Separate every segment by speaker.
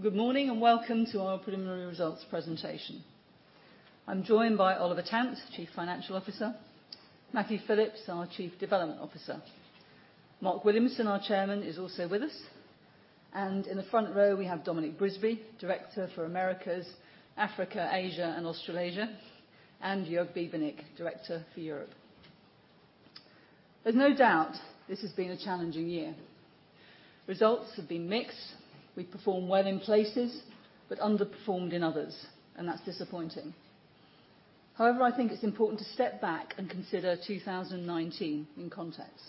Speaker 1: Good morning, and welcome to our preliminary results presentation. I'm joined by Oliver Tant, Chief Financial Officer, Matthew Phillips, our Chief Development Officer. Mark Williamson, our Chairman, is also with us, and in the front row we have Dominic Brisby, Director for Americas, Africa, Asia, and Australasia, and Joerg Biebernick, Director for Europe. There's no doubt this has been a challenging year. Results have been mixed. We've performed well in places, but underperformed in others, and that's disappointing. However, I think it's important to step back and consider 2019 in context.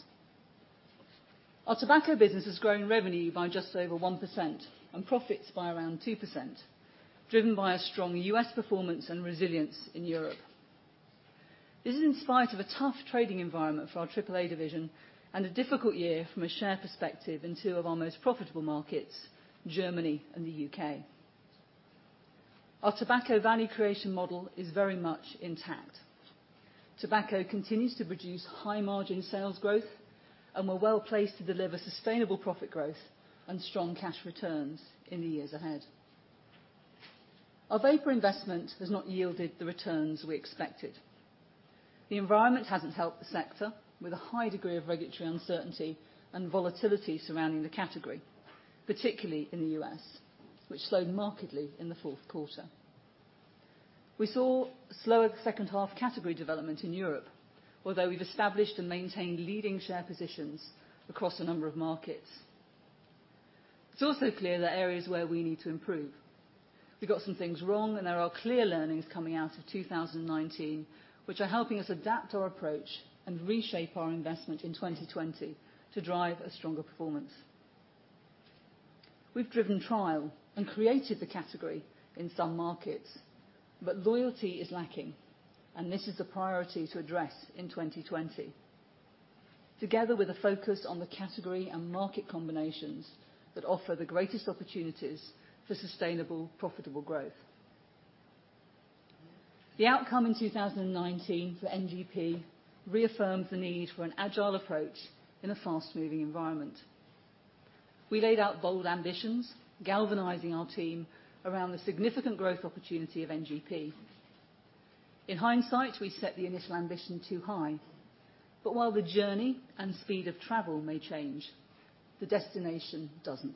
Speaker 1: Our tobacco business has grown revenue by just over 1% and profits by around 2%, driven by a strong U.S. performance and resilience in Europe. This is in spite of a tough trading environment for our AAA division and a difficult year from a share perspective in two of our most profitable markets, Germany and the U.K. Our tobacco value creation model is very much intact. Tobacco continues to produce high margin sales growth, and we're well placed to deliver sustainable profit growth and strong cash returns in the years ahead. Our vapor investment has not yielded the returns we expected. The environment hasn't helped the sector, with a high degree of regulatory uncertainty and volatility surrounding the category, particularly in the U.S., which slowed markedly in the fourth quarter. We saw slower second half category development in Europe, although we've established and maintained leading share positions across a number of markets. It's also clear there are areas where we need to improve. We got some things wrong, and there are clear learnings coming out of 2019, which are helping us adapt our approach and reshape our investment in 2020 to drive a stronger performance. We've driven trial and created the category in some markets, but loyalty is lacking, and this is a priority to address in 2020. Together with a focus on the category and market combinations that offer the greatest opportunities for sustainable, profitable growth. The outcome in 2019 for NGP reaffirmed the need for an agile approach in a fast moving environment. We laid out bold ambitions, galvanizing our team around the significant growth opportunity of NGP. In hindsight, we set the initial ambition too high. While the journey and speed of travel may change, the destination doesn't.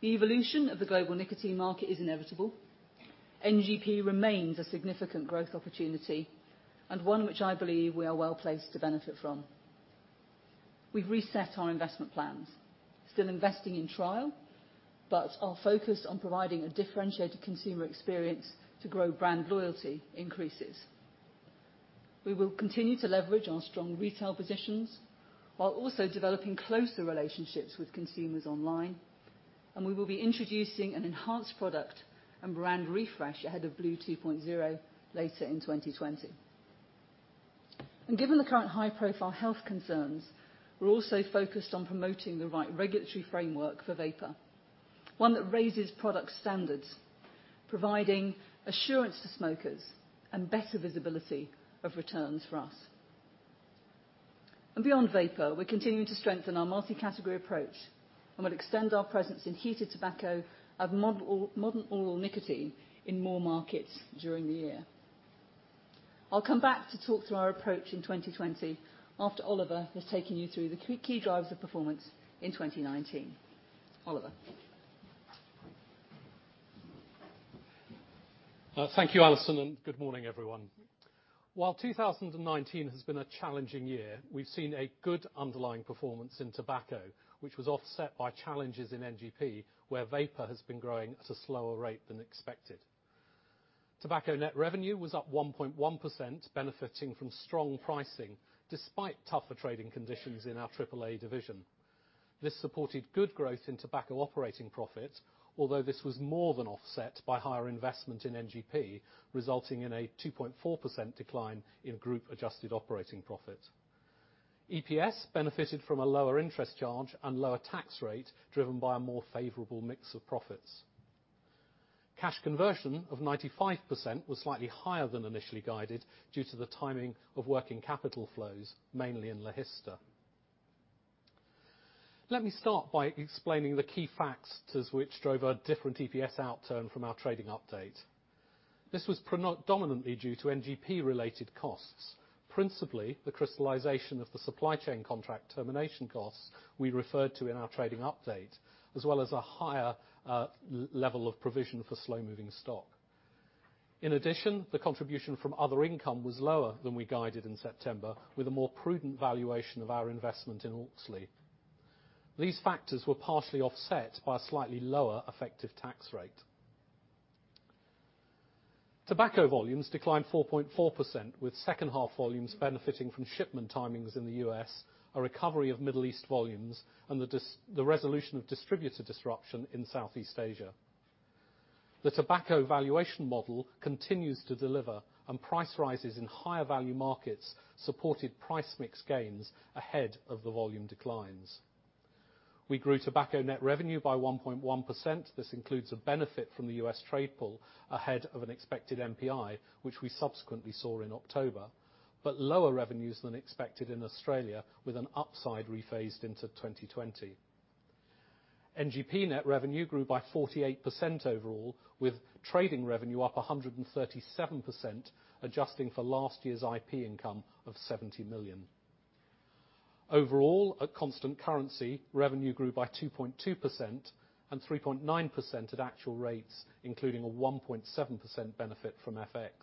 Speaker 1: The evolution of the global nicotine market is inevitable. NGP remains a significant growth opportunity and one which I believe we are well placed to benefit from. We've reset our investment plans, still investing in trial, but our focus on providing a differentiated consumer experience to grow brand loyalty increases. We will continue to leverage our strong retail positions while also developing closer relationships with consumers online. We will be introducing an enhanced product and brand refresh ahead of blu 2.0 later in 2020. Given the current high profile health concerns, we're also focused on promoting the right regulatory framework for vapor, one that raises product standards, providing assurance to smokers and better visibility of returns for us. Beyond vapor, we're continuing to strengthen our multi-category approach. We'll extend our presence in heated tobacco and modern oral nicotine in more markets during the year. I'll come back to talk through our approach in 2020 after Oliver has taken you through the key drivers of performance in 2019. Oliver?
Speaker 2: Thank you, Alison, and good morning, everyone. While 2019 has been a challenging year, we've seen a good underlying performance in tobacco, which was offset by challenges in NGP, where vapor has been growing at a slower rate than expected. Tobacco net revenue was up 1.1%, benefiting from strong pricing despite tougher trading conditions in our AAA division. This supported good growth in tobacco operating profit, although this was more than offset by higher investment in NGP, resulting in a 2.4% decline in group adjusted operating profit. EPS benefited from a lower interest charge and lower tax rate, driven by a more favorable mix of profits. Cash conversion of 95% was slightly higher than initially guided due to the timing of working capital flows, mainly in Logista. Let me start by explaining the key factors which drove a different EPS outturn from our trading update. This was predominantly due to NGP related costs, principally the crystallization of the supply chain contract termination costs we referred to in our trading update, as well as a higher level of provision for slow-moving stock. In addition, the contribution from other income was lower than we guided in September, with a more prudent valuation of our investment in Auxly. These factors were partially offset by a slightly lower effective tax rate. Tobacco volumes declined 4.4%, with second half volumes benefiting from shipment timings in the U.S., a recovery of Middle East volumes, and the resolution of distributor disruption in Southeast Asia. The tobacco valuation model continues to deliver, price rises in higher value markets supported price mix gains ahead of the volume declines. We grew tobacco net revenue by 1.1%. This includes a benefit from the U.S. trade pull ahead of an expected NPI, which we subsequently saw in October, but lower revenues than expected in Australia, with an upside rephased into 2020. NGP net revenue grew by 48% overall, with trading revenue up 137%, adjusting for last year's IP income of 70 million. Overall, at constant currency, revenue grew by 2.2% and 3.9% at actual rates, including a 1.7% benefit from FX.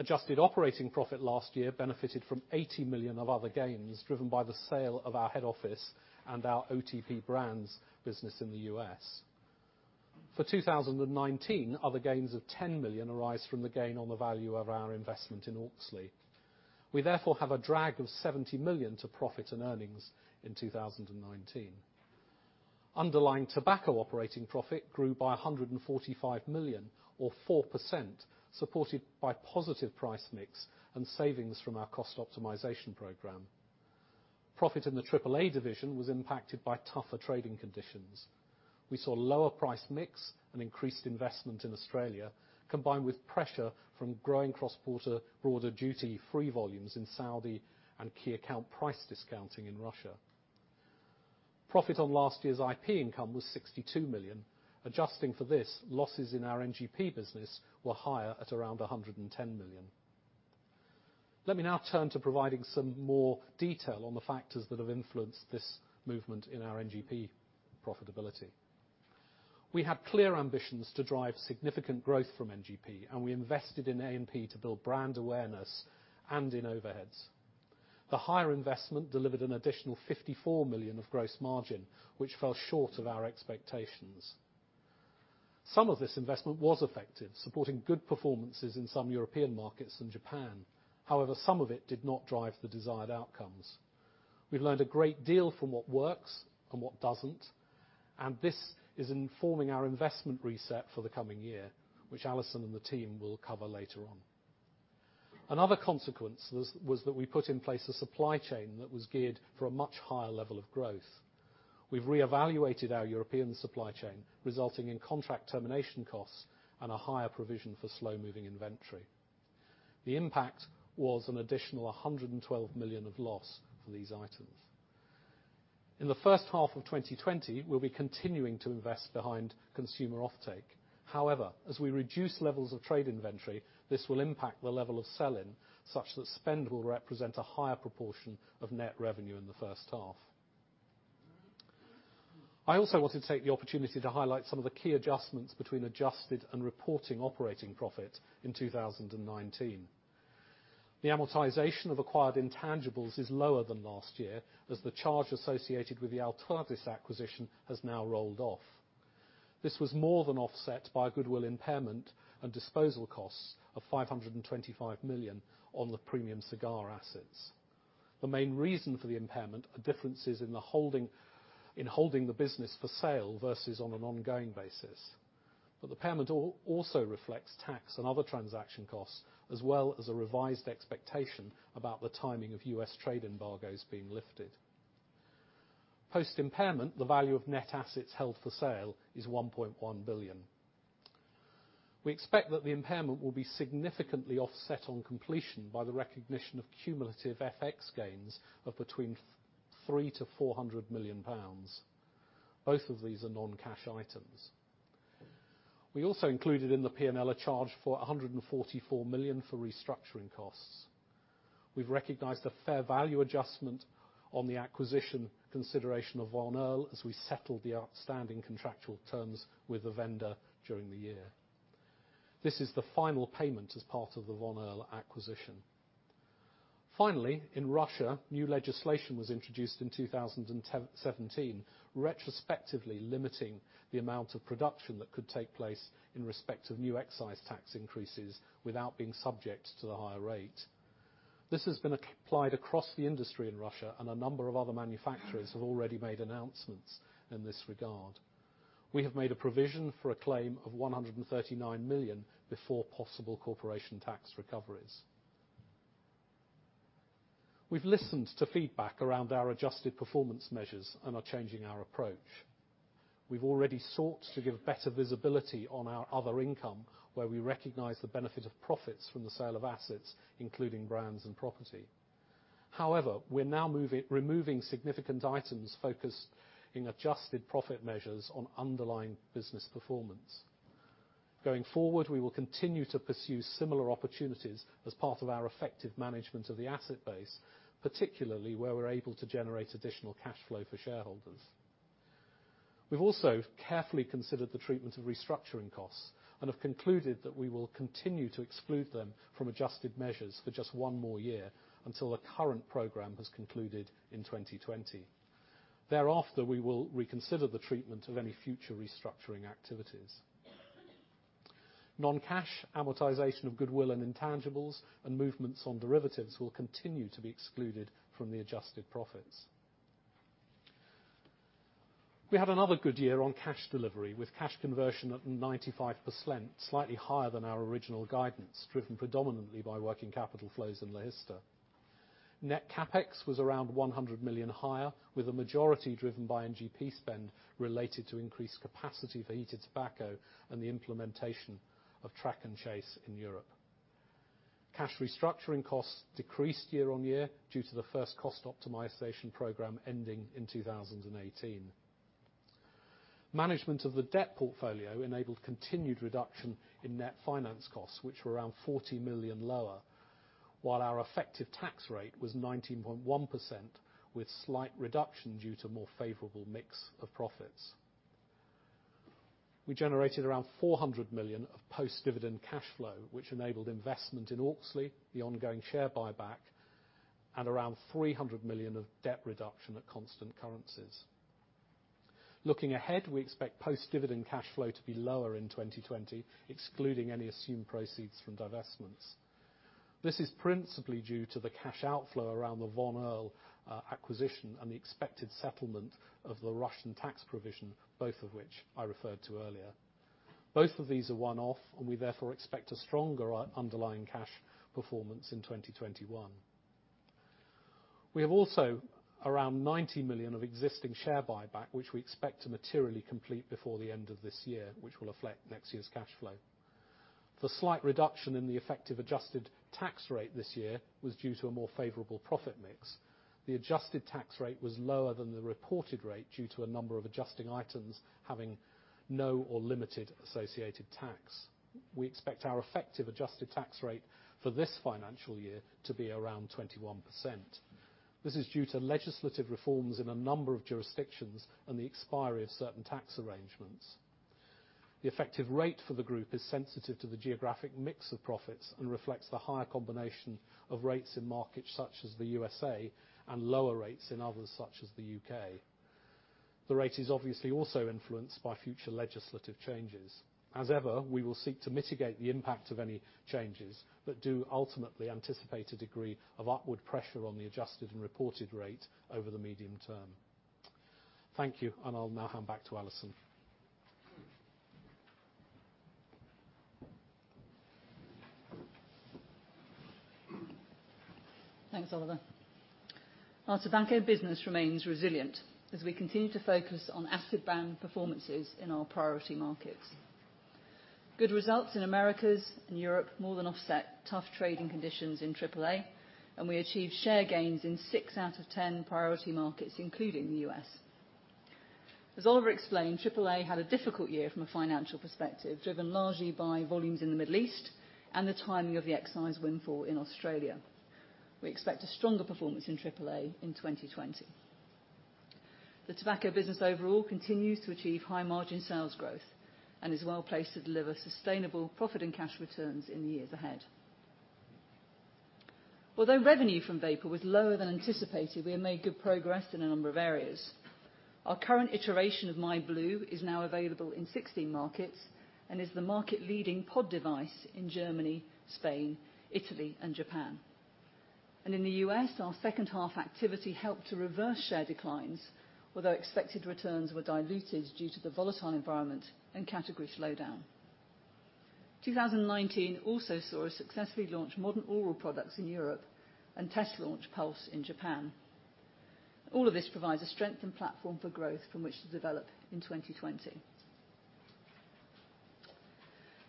Speaker 2: Adjusted operating profit last year benefited from 80 million of other gains, driven by the sale of our head office and our OTP brands business in the U.S. For 2019, other gains of 10 million arise from the gain on the value of our investment in Auxly. We therefore have a drag of 70 million to profits and earnings in 2019. Underlying tobacco operating profit grew by 145 million, or 4%, supported by positive price mix and savings from our cost optimization program. Profit in the AAA division was impacted by tougher trading conditions. We saw lower price mix and increased investment in Australia, combined with pressure from growing cross-border duty-free volumes in Saudi and key account price discounting in Russia. Profit on last year's IP income was 62 million. Adjusting for this, losses in our NGP business were higher at around 110 million. Let me now turn to providing some more detail on the factors that have influenced this movement in our NGP profitability. We have clear ambitions to drive significant growth from NGP, and we invested in A&P to build brand awareness and in overheads. The higher investment delivered an additional 54 million of gross margin, which fell short of our expectations. Some of this investment was effective, supporting good performances in some European markets and Japan. However, some of it did not drive the desired outcomes. We've learned a great deal from what works and what doesn't, and this is informing our investment reset for the coming year, which Alison and the team will cover later on. Another consequence was that we put in place a supply chain that was geared for a much higher level of growth. We've reevaluated our European supply chain, resulting in contract termination costs and a higher provision for slow-moving inventory. The impact was an additional 112 million of loss for these items. In the first half of 2020, we'll be continuing to invest behind consumer offtake. However, as we reduce levels of trade inventory, this will impact the level of sell-in, such that spend will represent a higher proportion of net revenue in the first half. I also wanted to take the opportunity to highlight some of the key adjustments between adjusted and reporting operating profit in 2019. The amortization of acquired intangibles is lower than last year, as the charge associated with the Altadis acquisition has now rolled off. This was more than offset by a goodwill impairment and disposal costs of 525 million on the premium cigar assets. The main reason for the impairment are differences in holding the business for sale versus on an ongoing basis. The payment also reflects tax and other transaction costs, as well as a revised expectation about the timing of U.S. trade embargoes being lifted. Post-impairment, the value of net assets held for sale is 1.1 billion. We expect that the impairment will be significantly offset on completion by the recognition of cumulative FX gains of between 3 million-400 million pounds. Both of these are non-cash items. We also included in the P&L a charge for 144 million for restructuring costs. We’ve recognized a fair value adjustment on the acquisition consideration of Von Erl as we settle the outstanding contractual terms with the vendor during the year. This is the final payment as part of the Von Erl acquisition. Finally, in Russia, new legislation was introduced in 2017 retrospectively limiting the amount of production that could take place in respect of new excise tax increases without being subject to the higher rate. This has been applied across the industry in Russia. A number of other manufacturers have already made announcements in this regard. We have made a provision for a claim of 139 million before possible corporation tax recoveries. We've listened to feedback around our adjusted performance measures and are changing our approach. We've already sought to give better visibility on our other income, where we recognize the benefit of profits from the sale of assets, including brands and property. However, we're now removing significant items focusing adjusted profit measures on underlying business performance. Going forward, we will continue to pursue similar opportunities as part of our effective management of the asset base, particularly where we're able to generate additional cash flow for shareholders. We've also carefully considered the treatment of restructuring costs and have concluded that we will continue to exclude them from adjusted measures for just one more year until the current program has concluded in 2020. Thereafter, we will reconsider the treatment of any future restructuring activities. Non-cash amortization of goodwill and intangibles and movements on derivatives will continue to be excluded from the adjusted profits. We had another good year on cash delivery, with cash conversion at 95%, slightly higher than our original guidance, driven predominantly by working capital flows in Logista. Net CapEx was around 100 million higher, with a majority driven by NGP spend related to increased capacity for heated tobacco and the implementation of track and trace in Europe. Cash restructuring costs decreased year-on-year due to the first cost optimization program ending in 2018. Management of the debt portfolio enabled continued reduction in net finance costs, which were around 40 million lower, while our effective tax rate was 19.1%, with slight reduction due to more favorable mix of profits. We generated around 400 million of post-dividend cash flow, which enabled investment in Auxly, the ongoing share buyback, and around 300 million of debt reduction at constant currencies. Looking ahead, we expect post-dividend cash flow to be lower in 2020, excluding any assumed proceeds from divestments. This is principally due to the cash outflow around the Von Erl acquisition and the expected settlement of the Russian tax provision, both of which I referred to earlier. Both of these are one-off, and we therefore expect a stronger underlying cash performance in 2021. We have also around 90 million of existing share buyback, which we expect to materially complete before the end of this year, which will affect next year's cash flow. The slight reduction in the effective adjusted tax rate this year was due to a more favorable profit mix. The adjusted tax rate was lower than the reported rate due to a number of adjusting items having no or limited associated tax. We expect our effective adjusted tax rate for this financial year to be around 21%. This is due to legislative reforms in a number of jurisdictions and the expiry of certain tax arrangements. The effective rate for the group is sensitive to the geographic mix of profits and reflects the higher combination of rates in markets such as the U.S.A. and lower rates in others such as the U.K. The rate is obviously also influenced by future legislative changes. As ever, we will seek to mitigate the impact of any changes, but do ultimately anticipate a degree of upward pressure on the adjusted and reported rate over the medium term. Thank you, and I'll now hand back to Alison.
Speaker 1: Thanks, Oliver. Our tobacco business remains resilient as we continue to focus on asset brand performances in our priority markets. Good results in Americas and Europe more than offset tough trading conditions in AAA, and we achieved share gains in six out of 10 priority markets, including the U.S. As Oliver explained, AAA had a difficult year from a financial perspective, driven largely by volumes in the Middle East and the timing of the excise windfall in Australia. We expect a stronger performance in AAA in 2020. The tobacco business overall continues to achieve high margin sales growth and is well-placed to deliver sustainable profit and cash returns in the years ahead. Although revenue from vapor was lower than anticipated, we have made good progress in a number of areas. Our current iteration of myblu is now available in 60 markets and is the market leading pod device in Germany, Spain, Italy, and Japan. In the U.S., our second half activity helped to reverse share declines, although expected returns were diluted due to the volatile environment and category slowdown. 2019 also saw us successfully launch modern oral products in Europe and test launch Pulze in Japan. All of this provides a strengthened platform for growth from which to develop in 2020.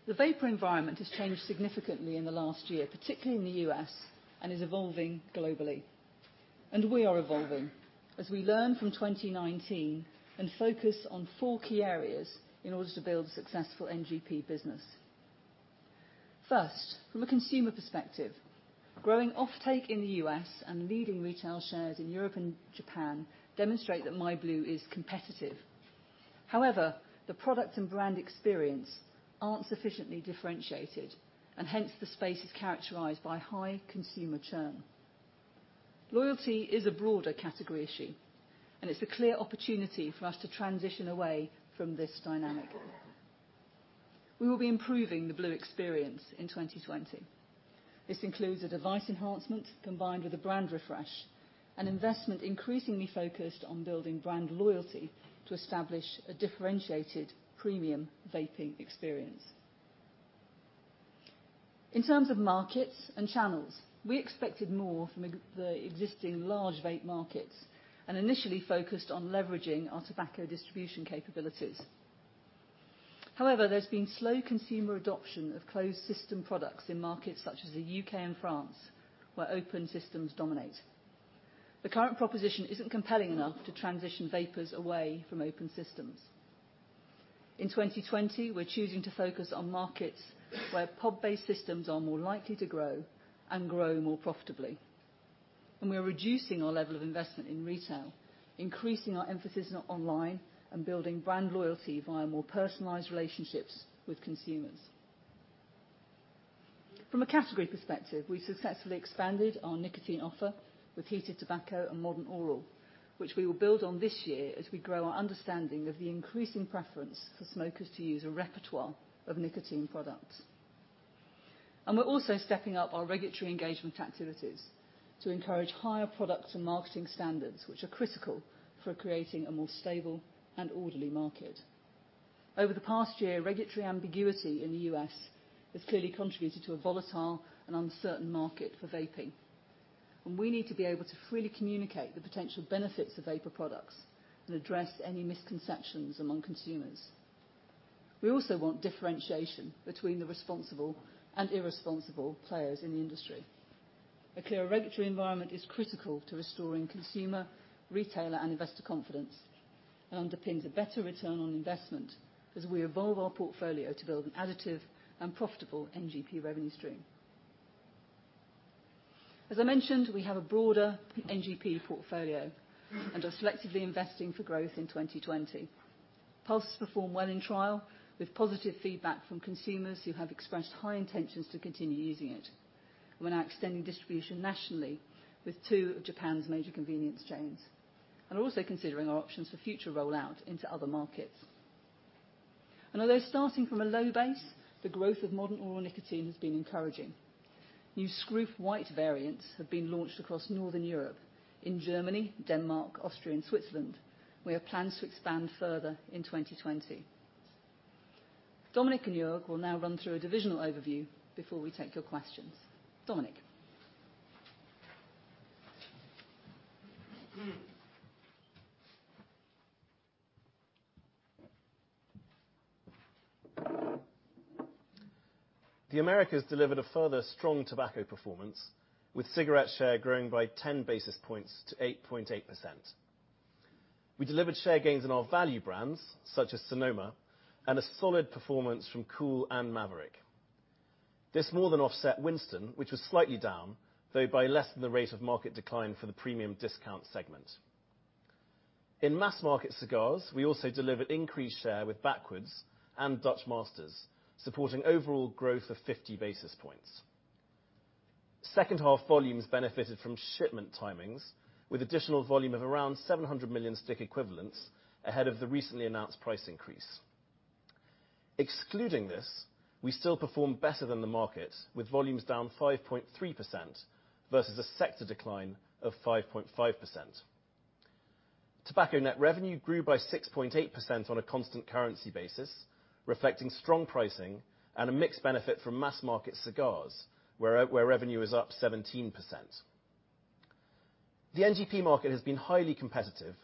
Speaker 1: The vapor environment has changed significantly in the last year, particularly in the U.S., and is evolving globally. We are evolving as we learn from 2019 and focus on four key areas in order to build a successful NGP business. First, from a consumer perspective, growing offtake in the U.S. and leading retail shares in Europe and Japan demonstrate that myblu is competitive. The product and brand experience are not sufficiently differentiated, and hence the space is characterized by high consumer churn. Loyalty is a broader category issue, and it's a clear opportunity for us to transition away from this dynamic. We will be improving the blu experience in 2020. This includes a device enhancement combined with a brand refresh, an investment increasingly focused on building brand loyalty to establish a differentiated premium vaping experience. In terms of markets and channels, we expected more from the existing large vape markets and initially focused on leveraging our tobacco distribution capabilities. There's been slow consumer adoption of closed system products in markets such as the U.K. and France, where open systems dominate. The current proposition isn't compelling enough to transition vapers away from open systems. In 2020, we're choosing to focus on markets where pod-based systems are more likely to grow and grow more profitably. We are reducing our level of investment in retail, increasing our emphasis on online, and building brand loyalty via more personalized relationships with consumers. From a category perspective, we successfully expanded our nicotine offer with Heated Tobacco and modern oral, which we will build on this year as we grow our understanding of the increasing preference for smokers to use a repertoire of nicotine products. We're also stepping up our regulatory engagement activities to encourage higher product and marketing standards, which are critical for creating a more stable and orderly market. Over the past year, regulatory ambiguity in the U.S. has clearly contributed to a volatile and uncertain market for vaping, and we need to be able to freely communicate the potential benefits of vapor products and address any misconceptions among consumers. We also want differentiation between the responsible and irresponsible players in the industry. A clear regulatory environment is critical to restoring consumer, retailer, and investor confidence, and underpins a better return on investment as we evolve our portfolio to build an additive and profitable NGP revenue stream. As I mentioned, we have a broader NGP portfolio and are selectively investing for growth in 2020. Pulze performed well in trial, with positive feedback from consumers who have expressed high intentions to continue using it. We're now extending distribution nationally with two of Japan's major convenience chains and are also considering our options for future rollout into other markets. Although starting from a low base, the growth of modern oral nicotine has been encouraging. New Skruf white variants have been launched across Northern Europe, in Germany, Denmark, Austria, and Switzerland. We have plans to expand further in 2020. Dominic and Joerg will now run through a divisional overview before we take your questions. Dominic?
Speaker 3: The Americas delivered a further strong tobacco performance, with cigarette share growing by 10 basis points to 8.8%. We delivered share gains in our value brands, such as Sonoma, and a solid performance from Kool and Maverick. This more than offset Winston, which was slightly down, though by less than the rate of market decline for the premium discount segment. In mass market cigars, we also delivered increased share with Backwoods and Dutch Masters, supporting overall growth of 50 basis points. Second half volumes benefited from shipment timings, with additional volume of around 700 million stick equivalents ahead of the recently announced price increase. Excluding this, we still performed better than the market, with volumes down 5.3% versus a sector decline of 5.5%. Tobacco net revenue grew by 6.8% on a constant currency basis, reflecting strong pricing and a mixed benefit from mass market cigars, where revenue is up 17%. The NGP market has been highly competitive,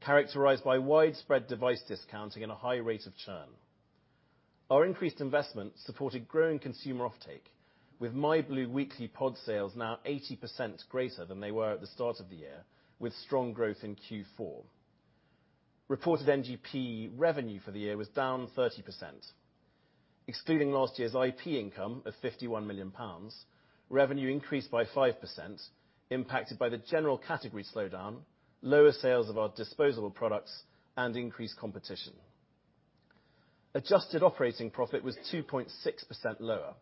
Speaker 3: characterized by widespread device discounting and a high rate of churn. Our increased investment supported growing consumer offtake, with myblu weekly pod sales now 80% greater than they were at the start of the year, with strong growth in Q4. Reported NGP revenue for the year was down 30%. Excluding last year's IP income of 51 million pounds, revenue increased by 5%, impacted by the general category slowdown, lower sales of our disposable products, and increased competition. Adjusted operating profit was 2.6% lower,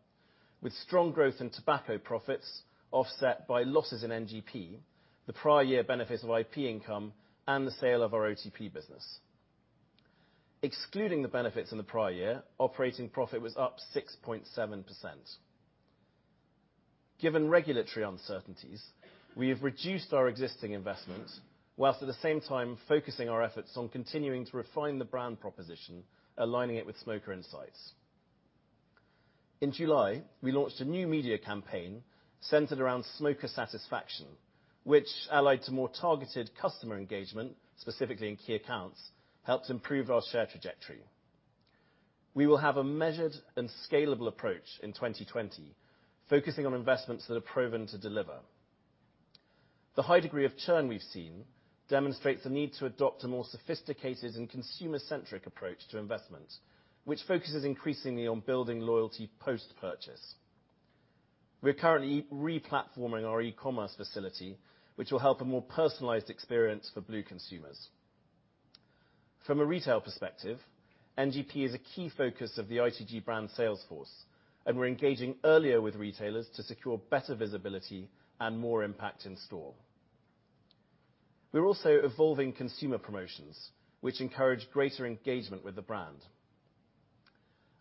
Speaker 3: with strong growth in tobacco profits offset by losses in NGP, the prior year benefits of IP income, and the sale of our OTP business. Excluding the benefits in the prior year, operating profit was up 6.7%. Given regulatory uncertainties, we have reduced our existing investments, while at the same time focusing our efforts on continuing to refine the brand proposition, aligning it with smoker insights. In July, we launched a new media campaign centered around smoker satisfaction, which allied to more targeted customer engagement, specifically in key accounts, helped improve our share trajectory. We will have a measured and scalable approach in 2020, focusing on investments that are proven to deliver. The high degree of churn we've seen demonstrates the need to adopt a more sophisticated and consumer-centric approach to investment, which focuses increasingly on building loyalty post-purchase. We are currently re-platforming our e-commerce facility, which will help a more personalized experience for blu consumers. From a retail perspective, NGP is a key focus of the ITG Brands sales force, and we're engaging earlier with retailers to secure better visibility and more impact in store. We're also evolving consumer promotions, which encourage greater engagement with the brand.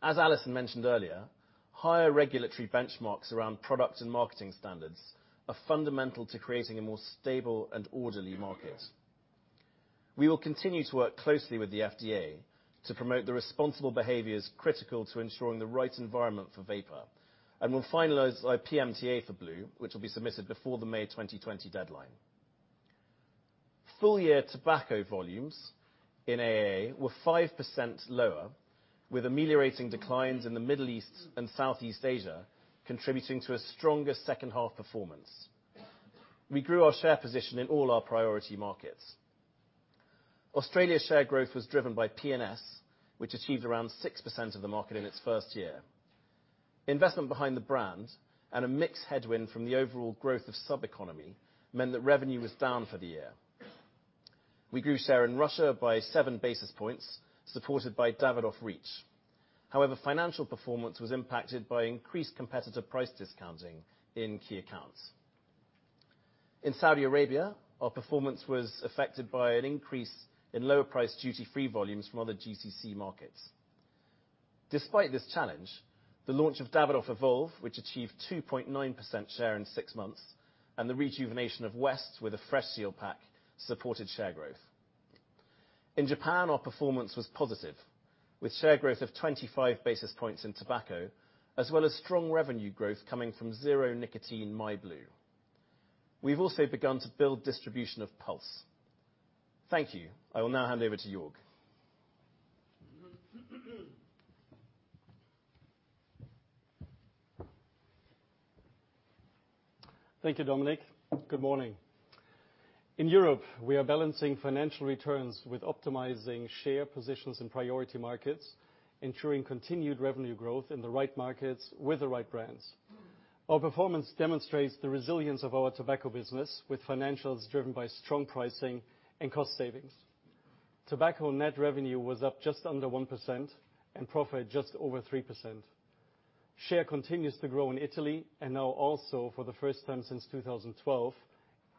Speaker 3: As Alison mentioned earlier, higher regulatory benchmarks around product and marketing standards are fundamental to creating a more stable and orderly market. We will continue to work closely with the FDA to promote the responsible behaviors critical to ensuring the right environment for vapor, and will finalize our PMTA for blu, which will be submitted before the May 2020 deadline. Full year tobacco volumes in AA were 5% lower, with ameliorating declines in the Middle East and Southeast Asia contributing to a stronger second half performance. We grew our share position in all our priority markets. Australia share growth was driven by P&S, which achieved around 6% of the market in its first year. Investment behind the brand and a mix headwind from the overall growth of sub economy meant that revenue was down for the year. We grew share in Russia by seven basis points, supported by Davidoff Reach. Financial performance was impacted by increased competitor price discounting in key accounts. In Saudi Arabia, our performance was affected by an increase in lower price duty free volumes from other GCC markets. Despite this challenge, the launch of Davidoff Evolve, which achieved 2.9% share in six months, and the rejuvenation of West with a fresh seal pack supported share growth. In Japan, our performance was positive, with share growth of 25 basis points in tobacco, as well as strong revenue growth coming from zero nicotine myblu. We've also begun to build distribution of Pulze. Thank you. I will now hand over to Joerg.
Speaker 4: Thank you, Dominic. Good morning. In Europe, we are balancing financial returns with optimizing share positions in priority markets, ensuring continued revenue growth in the right markets with the right brands. Our performance demonstrates the resilience of our tobacco business with financials driven by strong pricing and cost savings. Tobacco net revenue was up just under 1% and profit just over 3%. Share continues to grow in Italy and now also, for the first time since 2012,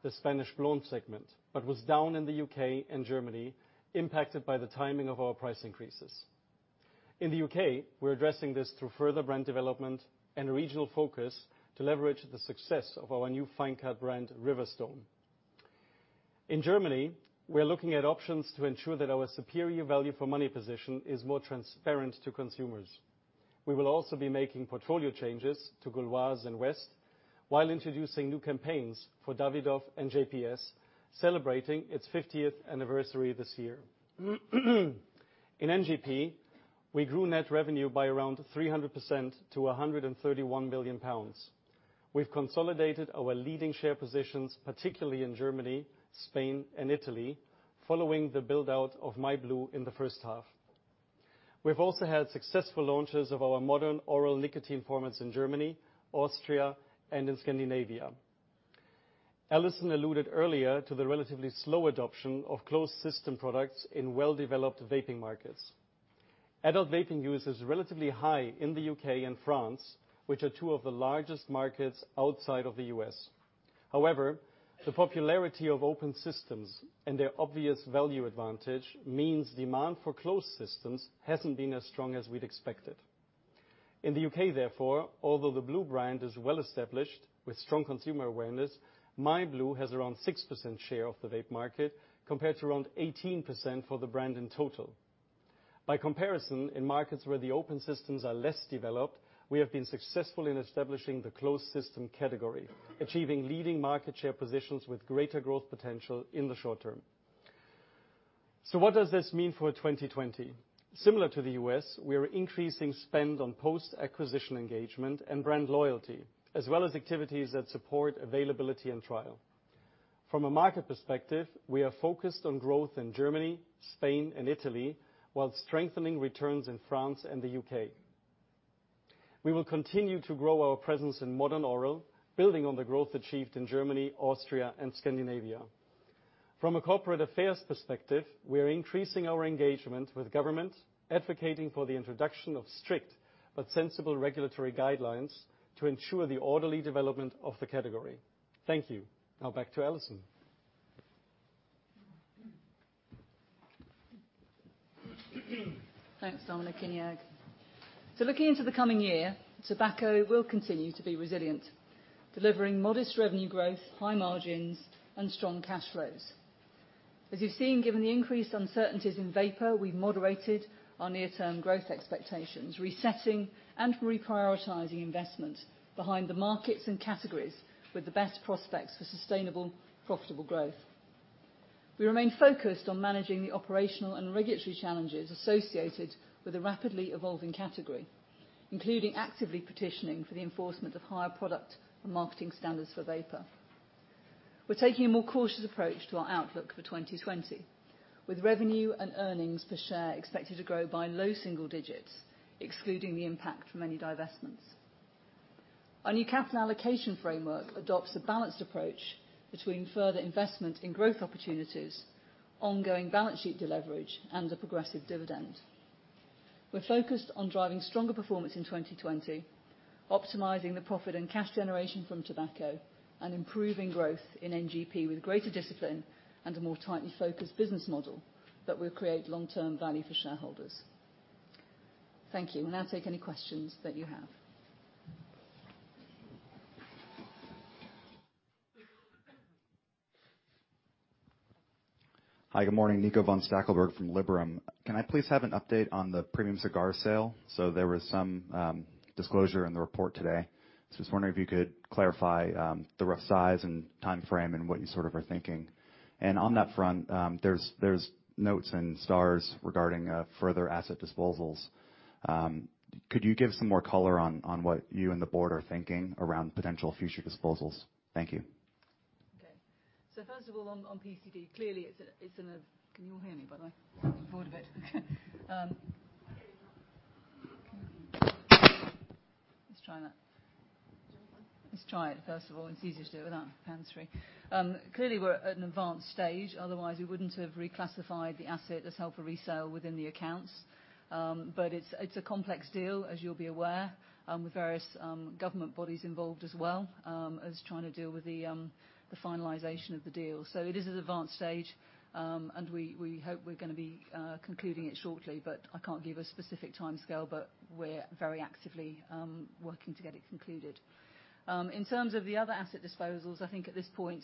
Speaker 4: the Spanish blonde segment, but was down in the U.K. and Germany, impacted by the timing of our price increases. In the U.K., we're addressing this through further brand development and regional focus to leverage the success of our new fine cut brand, Riverstone. In Germany, we are looking at options to ensure that our superior value for money position is more transparent to consumers. We will also be making portfolio changes to Gauloises and West, while introducing new campaigns for Davidoff and JPS, celebrating its 50th anniversary this year. In NGP, we grew net revenue by around 300% to 131 million pounds. We've consolidated our leading share positions, particularly in Germany, Spain and Italy, following the build-out of myblu in the first half. We've also had successful launches of our modern oral nicotine formats in Germany, Austria, and in Scandinavia. Alison alluded earlier to the relatively slow adoption of closed system products in well-developed vaping markets. Adult vaping use is relatively high in the U.K. and France, which are two of the largest markets outside of the U.S. The popularity of open systems and their obvious value advantage means demand for closed systems hasn't been as strong as we'd expected. In the U.K. therefore, although the blu brand is well-established with strong consumer awareness, myblu has around 6% share of the vape market, compared to around 18% for the brand in total. By comparison, in markets where the open systems are less developed, we have been successful in establishing the closed system category, achieving leading market share positions with greater growth potential in the short term. What does this mean for 2020? Similar to the U.S., we are increasing spend on post-acquisition engagement and brand loyalty, as well as activities that support availability and trial. From a market perspective, we are focused on growth in Germany, Spain and Italy, while strengthening returns in France and the U.K. We will continue to grow our presence in modern oral, building on the growth achieved in Germany, Austria, and Scandinavia. From a corporate affairs perspective, we are increasing our engagement with government, advocating for the introduction of strict but sensible regulatory guidelines to ensure the orderly development of the category. Thank you. Now back to Alison.
Speaker 1: Thanks, Dominic and Joerg. Looking into the coming year, tobacco will continue to be resilient, delivering modest revenue growth, high margins, and strong cash flows. As you've seen, given the increased uncertainties in vapor, we've moderated our near-term growth expectations, resetting and reprioritizing investment behind the markets and categories with the best prospects for sustainable, profitable growth. We remain focused on managing the operational and regulatory challenges associated with a rapidly evolving category, including actively petitioning for the enforcement of higher product and marketing standards for vapor. We're taking a more cautious approach to our outlook for 2020, with revenue and earnings per share expected to grow by low single digits, excluding the impact from any divestments. Our new capital allocation framework adopts a balanced approach between further investment in growth opportunities, ongoing balance sheet deleverage, and a progressive dividend. We're focused on driving stronger performance in 2020, optimizing the profit and cash generation from tobacco, and improving growth in NGP with greater discipline and a more tightly focused business model that will create long-term value for shareholders. Thank you. We'll now take any questions that you have.
Speaker 5: Hi, good morning. Nico von Stackelberg from Liberum. Can I please have an update on the premium cigar sale? There was some disclosure in the report today. I was just wondering if you could clarify the rough size and timeframe and what you sort of are thinking. On that front, there's notes and stars regarding further asset disposals. Could you give some more color on what you and the board are thinking around potential future disposals? Thank you.
Speaker 1: Okay. First of all, on PCD, clearly it's an. Can you all hear me, by the way? Moving forward a bit. Let's try that.
Speaker 3: Do you want one?
Speaker 1: Let's try it first of all. It's easier to do it without the podium. Clearly we're at an advanced stage, otherwise we wouldn't have reclassified the asset as held for resale within the accounts. It's a complex deal, as you'll be aware, with various government bodies involved as well, trying to deal with the finalization of the deal. It is at advanced stage. We hope we're going to be concluding it shortly. I can't give a specific timescale. We're very actively working to get it concluded. In terms of the other asset disposals, I think at this point,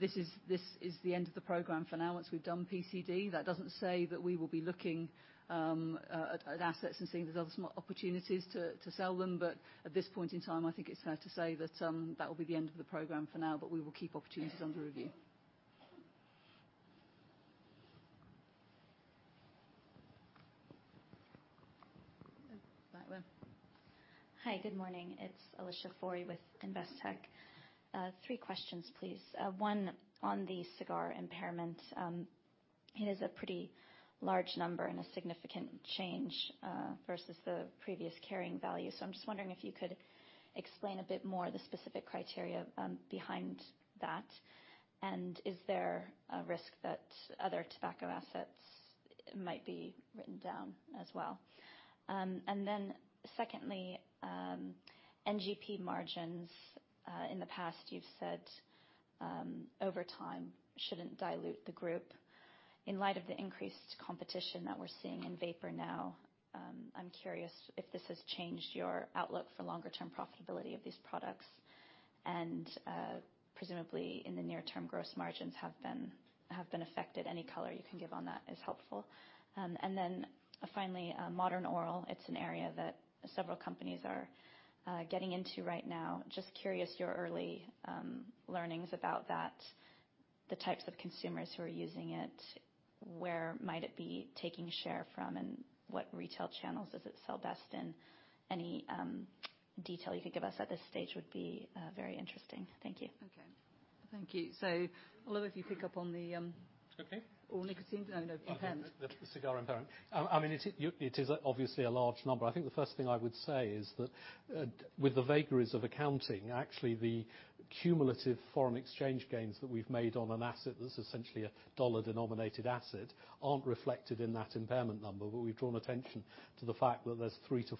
Speaker 1: this is the end of the program for now, once we've done PCD. That doesn't say that we will be looking at assets and seeing if there's other smart opportunities to sell them. At this point in time, I think it's fair to say that will be the end of the program for now, but we will keep opportunities under review. Back there.
Speaker 6: Hi, good morning. It's Alicia Forry with Investec. Three questions, please. One on the cigar impairment. It is a pretty large number and a significant change versus the previous carrying value. I'm just wondering if you could explain a bit more the specific criteria behind that. Is there a risk that other tobacco assets might be written down as well? Secondly, NGP margins, in the past you've said, over time shouldn't dilute the group. In light of the increased competition that we're seeing in vapor now, I'm curious if this has changed your outlook for longer term profitability of these products and presumably in the near term, gross margins have been affected. Any color you can give on that is helpful. Finally, modern oral. It's an area that several companies are getting into right now. Just curious, your early learnings about that, the types of consumers who are using it, where might it be taking share from, and what retail channels does it sell best in? Any detail you could give us at this stage would be very interesting. Thank you.
Speaker 1: Okay. Thank you. Oliver, if you pick up on the.
Speaker 2: Okay.
Speaker 1: Oral nicotine zone of impairment.
Speaker 2: The cigar impairment. I mean, it is obviously a large number. I think the first thing I would say is that, with the vagaries of accounting, actually the cumulative foreign exchange gains that we've made on an asset that's essentially a dollar-denominated asset aren't reflected in that impairment number. We've drawn attention to the fact that there's 300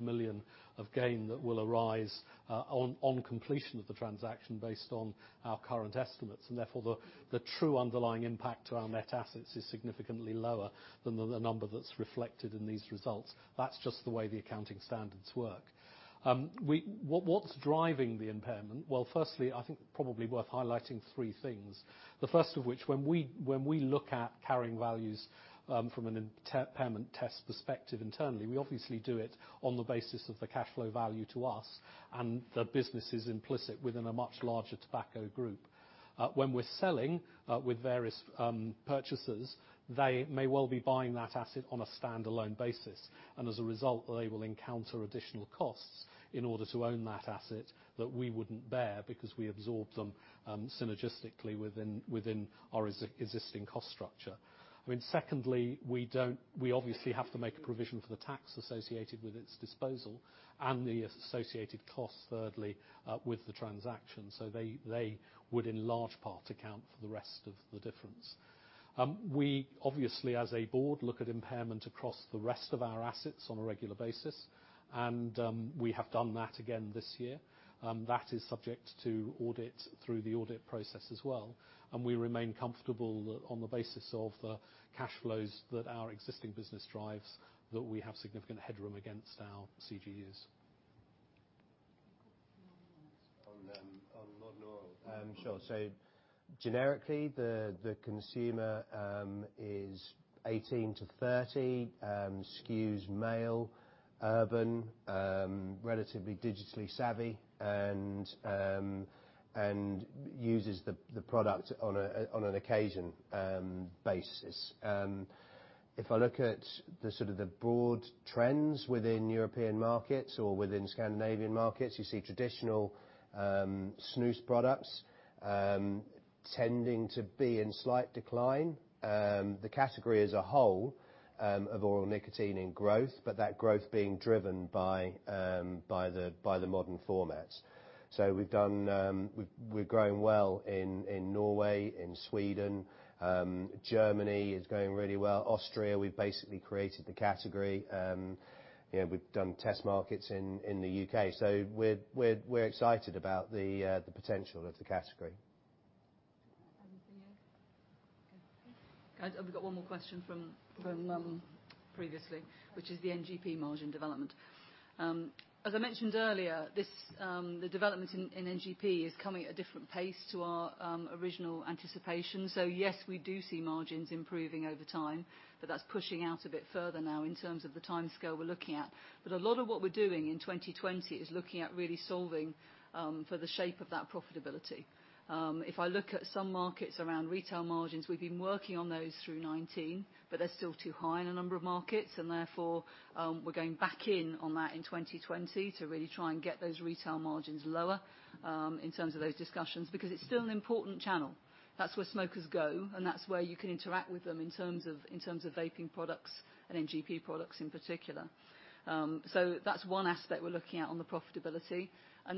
Speaker 2: million-400 million of gain that will arise on completion of the transaction based on our current estimates. Therefore, the true underlying impact to our net assets is significantly lower than the number that's reflected in these results. That's just the way the accounting standards work. What's driving the impairment? Well, firstly, I think probably worth highlighting three things. The first of which, when we look at carrying values, from an impairment test perspective internally, we obviously do it on the basis of the cash flow value to us, and the business is implicit within a much larger tobacco group. When we're selling, with various purchasers, they may well be buying that asset on a standalone basis. As a result, they will encounter additional costs in order to own that asset that we wouldn't bear because we absorb them synergistically within our existing cost structure. I mean, secondly, we obviously have to make a provision for the tax associated with its disposal and the associated costs, thirdly, with the transaction. They would in large part account for the rest of the difference. We obviously, as a board, look at impairment across the rest of our assets on a regular basis, and we have done that again this year. That is subject to audit through the audit process as well. We remain comfortable that on the basis of the cash flows that our existing business drives, that we have significant headroom against our CGUs.
Speaker 1: On modern oral. Sure. Generically, the consumer is 18 to 30, skews male, urban, relatively digitally savvy, and uses the product on an occasion basis. If I look at the sort of the broad trends within European markets or within Scandinavian markets, you see traditional snus products tending to be in slight decline. The category as a whole of oral nicotine in growth, but that growth being driven by the modern formats. We're growing well in Norway, in Sweden, Germany is going really well. Austria, we've basically created the category. We've done test markets in the U.K. We're excited about the potential of the category. Anything else? Okay. We've got one more question from previously, which is the NGP margin development. As I mentioned earlier, the development in NGP is coming at a different pace to our original anticipation. Yes, we do see margins improving over time, but that's pushing out a bit further now in terms of the timescale we're looking at. A lot of what we're doing in 2020 is looking at really solving for the shape of that profitability. If I look at some markets around retail margins, we've been working on those through 2019, but they're still too high in a number of markets, and therefore, we're going back in on that in 2020 to really try and get those retail margins lower in terms of those discussions. It's still an important channel. That's where smokers go, and that's where you can interact with them in terms of vaping products and NGP products in particular. That's one aspect we're looking at on the profitability.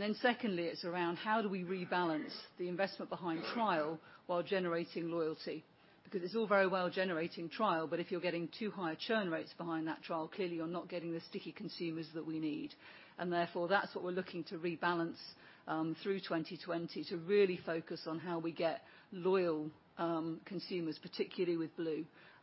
Speaker 1: Then secondly, it's around how do we rebalance the investment behind trial while generating loyalty? Because it's all very well generating trial, but if you're getting too high churn rates behind that trial, clearly you're not getting the sticky consumers that we need. Therefore, that's what we're looking to rebalance through 2020 to really focus on how we get loyal consumers, particularly with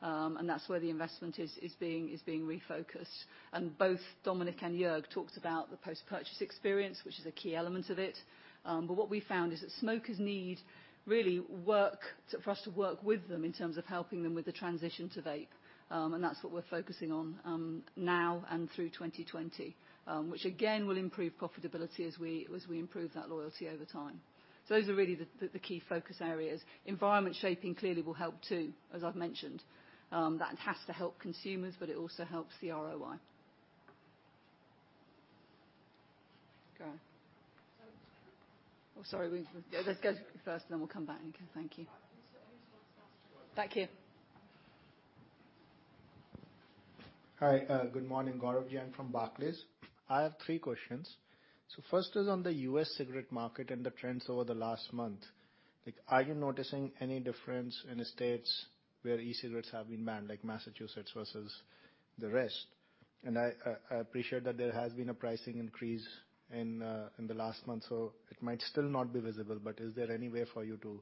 Speaker 1: blu. That's where the investment is being refocused. Both Dominic and Joerg talked about the post-purchase experience, which is a key element of it. What we've found is that smokers need, really, for us to work with them in terms of helping them with the transition to vape, and that's what we're focusing on now and through 2020. Which, again, will improve profitability as we improve that loyalty over time. Those are really the key focus areas. Environment shaping clearly will help, too, as I've mentioned. That has to help consumers, but it also helps the ROI. Go on.
Speaker 2: So-
Speaker 1: Oh, sorry. Let's go to you first, then we'll come back, Nico. Thank you.
Speaker 7: All right.
Speaker 1: Back here.
Speaker 7: Hi, good morning. Gaurav Jain from Barclays. I have three questions. First is on the U.S. cigarette market and the trends over the last month. Are you noticing any difference in the states where e-cigarettes have been banned, like Massachusetts versus the rest? I appreciate that there has been a pricing increase in the last month, it might still not be visible, is there any way for you to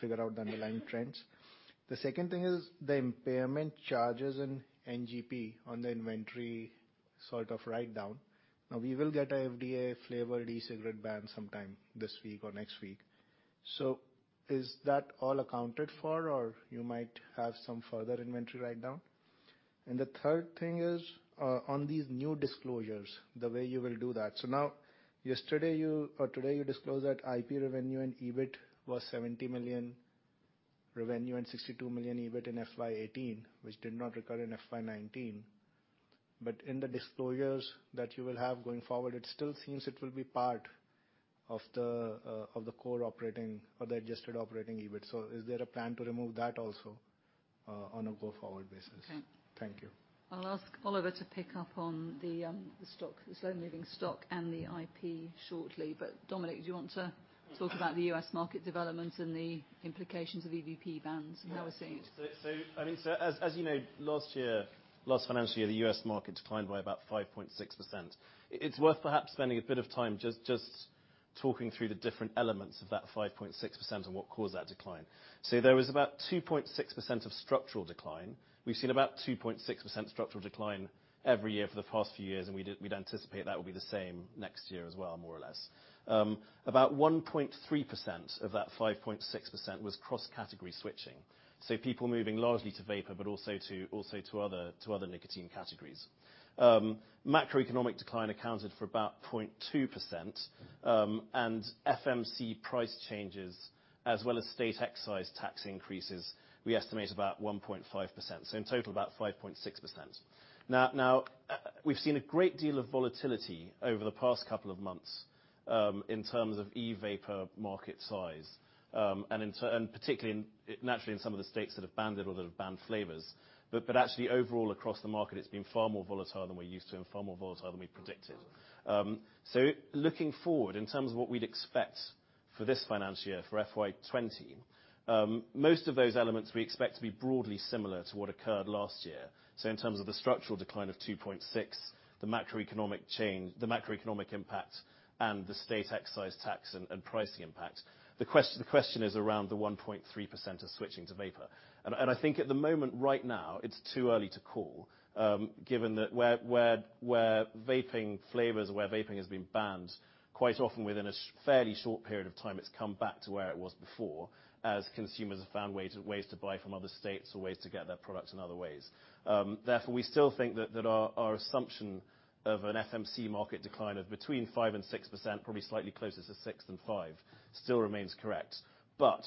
Speaker 7: figure out the underlying trends? The second thing is the impairment charges in NGP on the inventory sort of writedown. We will get a FDA flavored e-cigarette ban sometime this week or next week. Is that all accounted for or you might have some further inventory writedown? The third thing is, on these new disclosures, the way you will do that. Yesterday you, or today you disclosed that IP revenue and EBIT was 70 million revenue and 62 million EBIT in FY 2018, which did not recur in FY 2019. In the disclosures that you will have going forward, it still seems it will be part of the core operating or the adjusted operating EBIT. Is there a plan to remove that also on a go-forward basis?
Speaker 1: Yeah.
Speaker 7: Thank you.
Speaker 1: I'll ask Oliver to pick up on the slow-moving stock and the IP shortly. Dominic, do you want to talk about the U.S. market development and the implications of EVP bans and how we're seeing it?
Speaker 3: Yeah, sure. As you know, last year, last financial year, the US market declined by about 5.6%. It's worth perhaps spending a bit of time just talking through the different elements of that 5.6% and what caused that decline. There was about 2.6% of structural decline. We've seen about 2.6% structural decline every year for the past few years, and we'd anticipate that will be the same next year as well, more or less. About 1.3% of that 5.6% was cross-category switching. People moving largely to vapor, but also to other nicotine categories. Macroeconomic decline accounted for about 0.2%, and FMC price changes, as well as state excise tax increases, we estimate about 1.5%. In total, about 5.6%. We've seen a great deal of volatility over the past couple of months in terms of e-vapor market size. Particularly, naturally in some of the states that have banned it or that have banned flavors. Actually, overall, across the market, it's been far more volatile than we're used to and far more volatile than we predicted. Looking forward, in terms of what we'd expect for this financial year, for FY 2020, most of those elements we expect to be broadly similar to what occurred last year. In terms of the structural decline of 2.6%, the macroeconomic impact, and the state excise tax and pricing impact. The question is around the 1.3% of switching to vapor. I think at the moment right now, it's too early to call, given that where vaping flavors, where vaping has been banned, quite often within a fairly short period of time, it's come back to where it was before as consumers have found ways to buy from other states or ways to get their product in other ways. Therefore, we still think that our assumption of an FMC market decline of between 5% and 6%, probably slightly closer to 6% than 5%, still remains correct.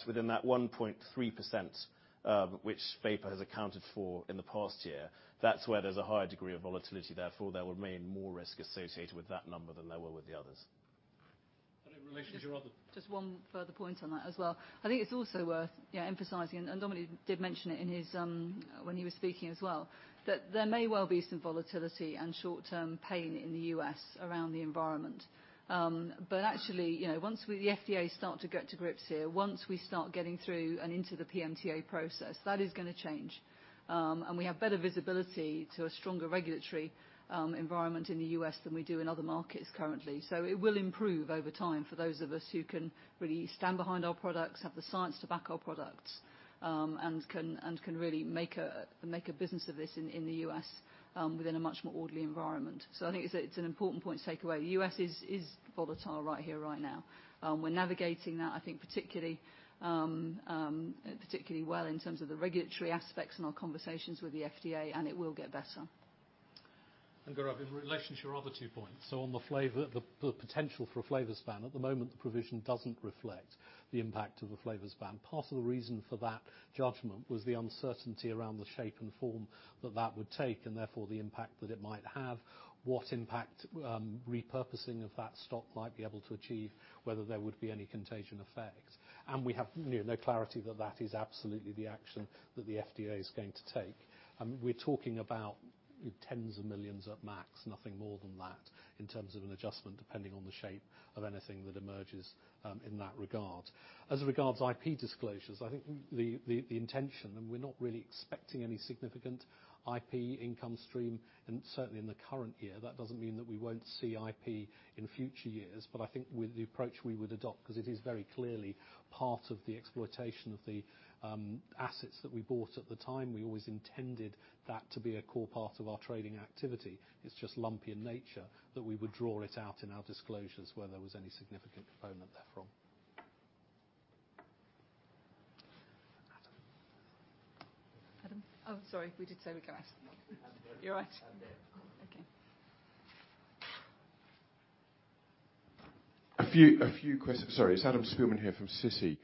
Speaker 3: Within that 1.3%, which vapor has accounted for in the past year, that's where there's a higher degree of volatility. Therefore, there will remain more risk associated with that number than there were with the others.
Speaker 2: In relation to your.
Speaker 1: Just one further point on that as well. I think it's also worth emphasizing, and Dominic did mention it when he was speaking as well, that there may well be some volatility and short-term pain in the U.S. around the environment. Actually, once the FDA start to get to grips here, once we start getting through and into the PMTA process, that is gonna change. We have better visibility to a stronger regulatory environment in the U.S. than we do in other markets currently. It will improve over time for those of us who can really stand behind our products, have the science to back our products, and can really make a business of this in the U.S. within a much more orderly environment. I think it's an important point to take away. The U.S. is volatile right here, right now. We're navigating that, I think, particularly well in terms of the regulatory aspects and our conversations with the FDA. It will get better.
Speaker 2: Gaurav, in relation to your other two points, so on the flavor, the potential for a flavors ban, at the moment, the provision doesn't reflect the impact of the flavors ban. Part of the reason for that judgment was the uncertainty around the shape and form that that would take, and therefore the impact that it might have. What impact repurposing of that stock might be able to achieve, whether there would be any contagion effect. We have no clarity that that is absolutely the action that the FDA is going to take. We're talking about tens of millions at max, nothing more than that in terms of an adjustment, depending on the shape of anything that emerges in that regard. As regards IP disclosures, I think the intention, and we're not really expecting any significant IP income stream, certainly in the current year. That doesn't mean that we won't see IP in future years. I think with the approach we would adopt, because it is very clearly part of the exploitation of the assets that we bought at the time, we always intended that to be a core part of our trading activity. It is just lumpy in nature that we would draw it out in our disclosures where there was any significant component therefrom.
Speaker 1: Adam? Adam? Oh, sorry, we did say we'd go Adam.
Speaker 8: I'm good.
Speaker 1: You're right.
Speaker 8: I'm good.
Speaker 1: Okay.
Speaker 8: A few questions. Sorry, it's Adam Spielman here from Citi.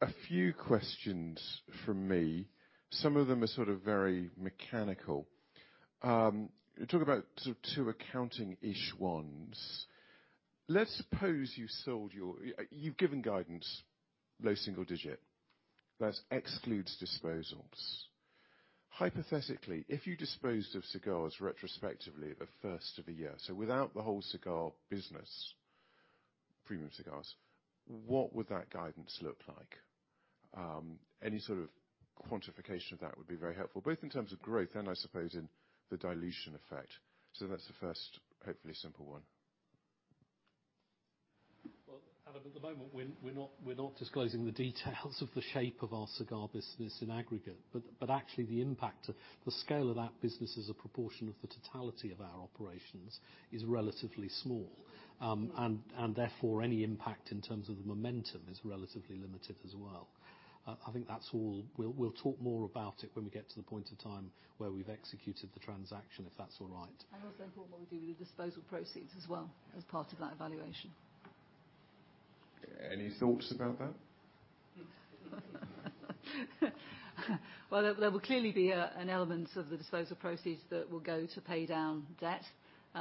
Speaker 8: A few questions from me, some of them are very mechanical. Talk about two accounting-ish ones. You've given guidance, low single digit. That excludes disposals. Hypothetically, if you disposed of cigars retrospectively at the first of the year, so without the whole cigar business, premium cigars, what would that guidance look like? Any sort of quantification of that would be very helpful, both in terms of growth and I suppose in the dilution effect. That's the first, hopefully simple one.
Speaker 2: Well, Adam, at the moment, we're not disclosing the details of the shape of our cigar business in aggregate, but actually the impact, the scale of that business as a proportion of the totality of our operations is relatively small. Therefore, any impact in terms of the momentum is relatively limited as well. I think that's all. We'll talk more about it when we get to the point of time where we've executed the transaction, if that's all right.
Speaker 1: Also important what we do with the disposal proceeds as well, as part of that evaluation.
Speaker 8: Any thoughts about that?
Speaker 1: Well, there will clearly be an element of the disposal proceeds that will go to pay down debt. We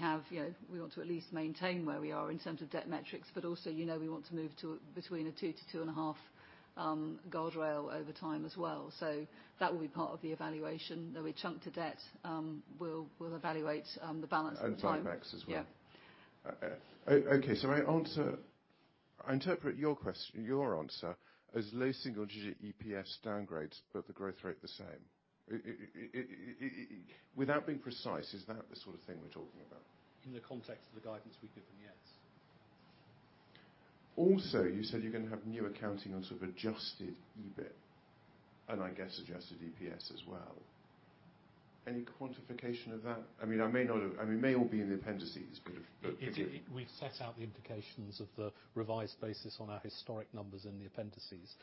Speaker 1: want to at least maintain where we are in terms of debt metrics, but also, we want to move to between a 2 to 2.5 guardrail over time as well. That will be part of the evaluation. Though we chunk to debt, we'll evaluate the balance at the time.
Speaker 8: Backwoods as well.
Speaker 1: Yeah.
Speaker 8: Okay. I interpret your answer as low single digit EPS downgrade, but the growth rate the same. Without being precise, is that the sort of thing we're talking about?
Speaker 2: In the context of the guidance we've given, yes.
Speaker 8: You said you're going to have new accounting on sort of adjusted EBIT, and I guess adjusted EPS as well. Any quantification of that?
Speaker 2: We've set out the implications of the revised basis on our historic numbers in the appendices.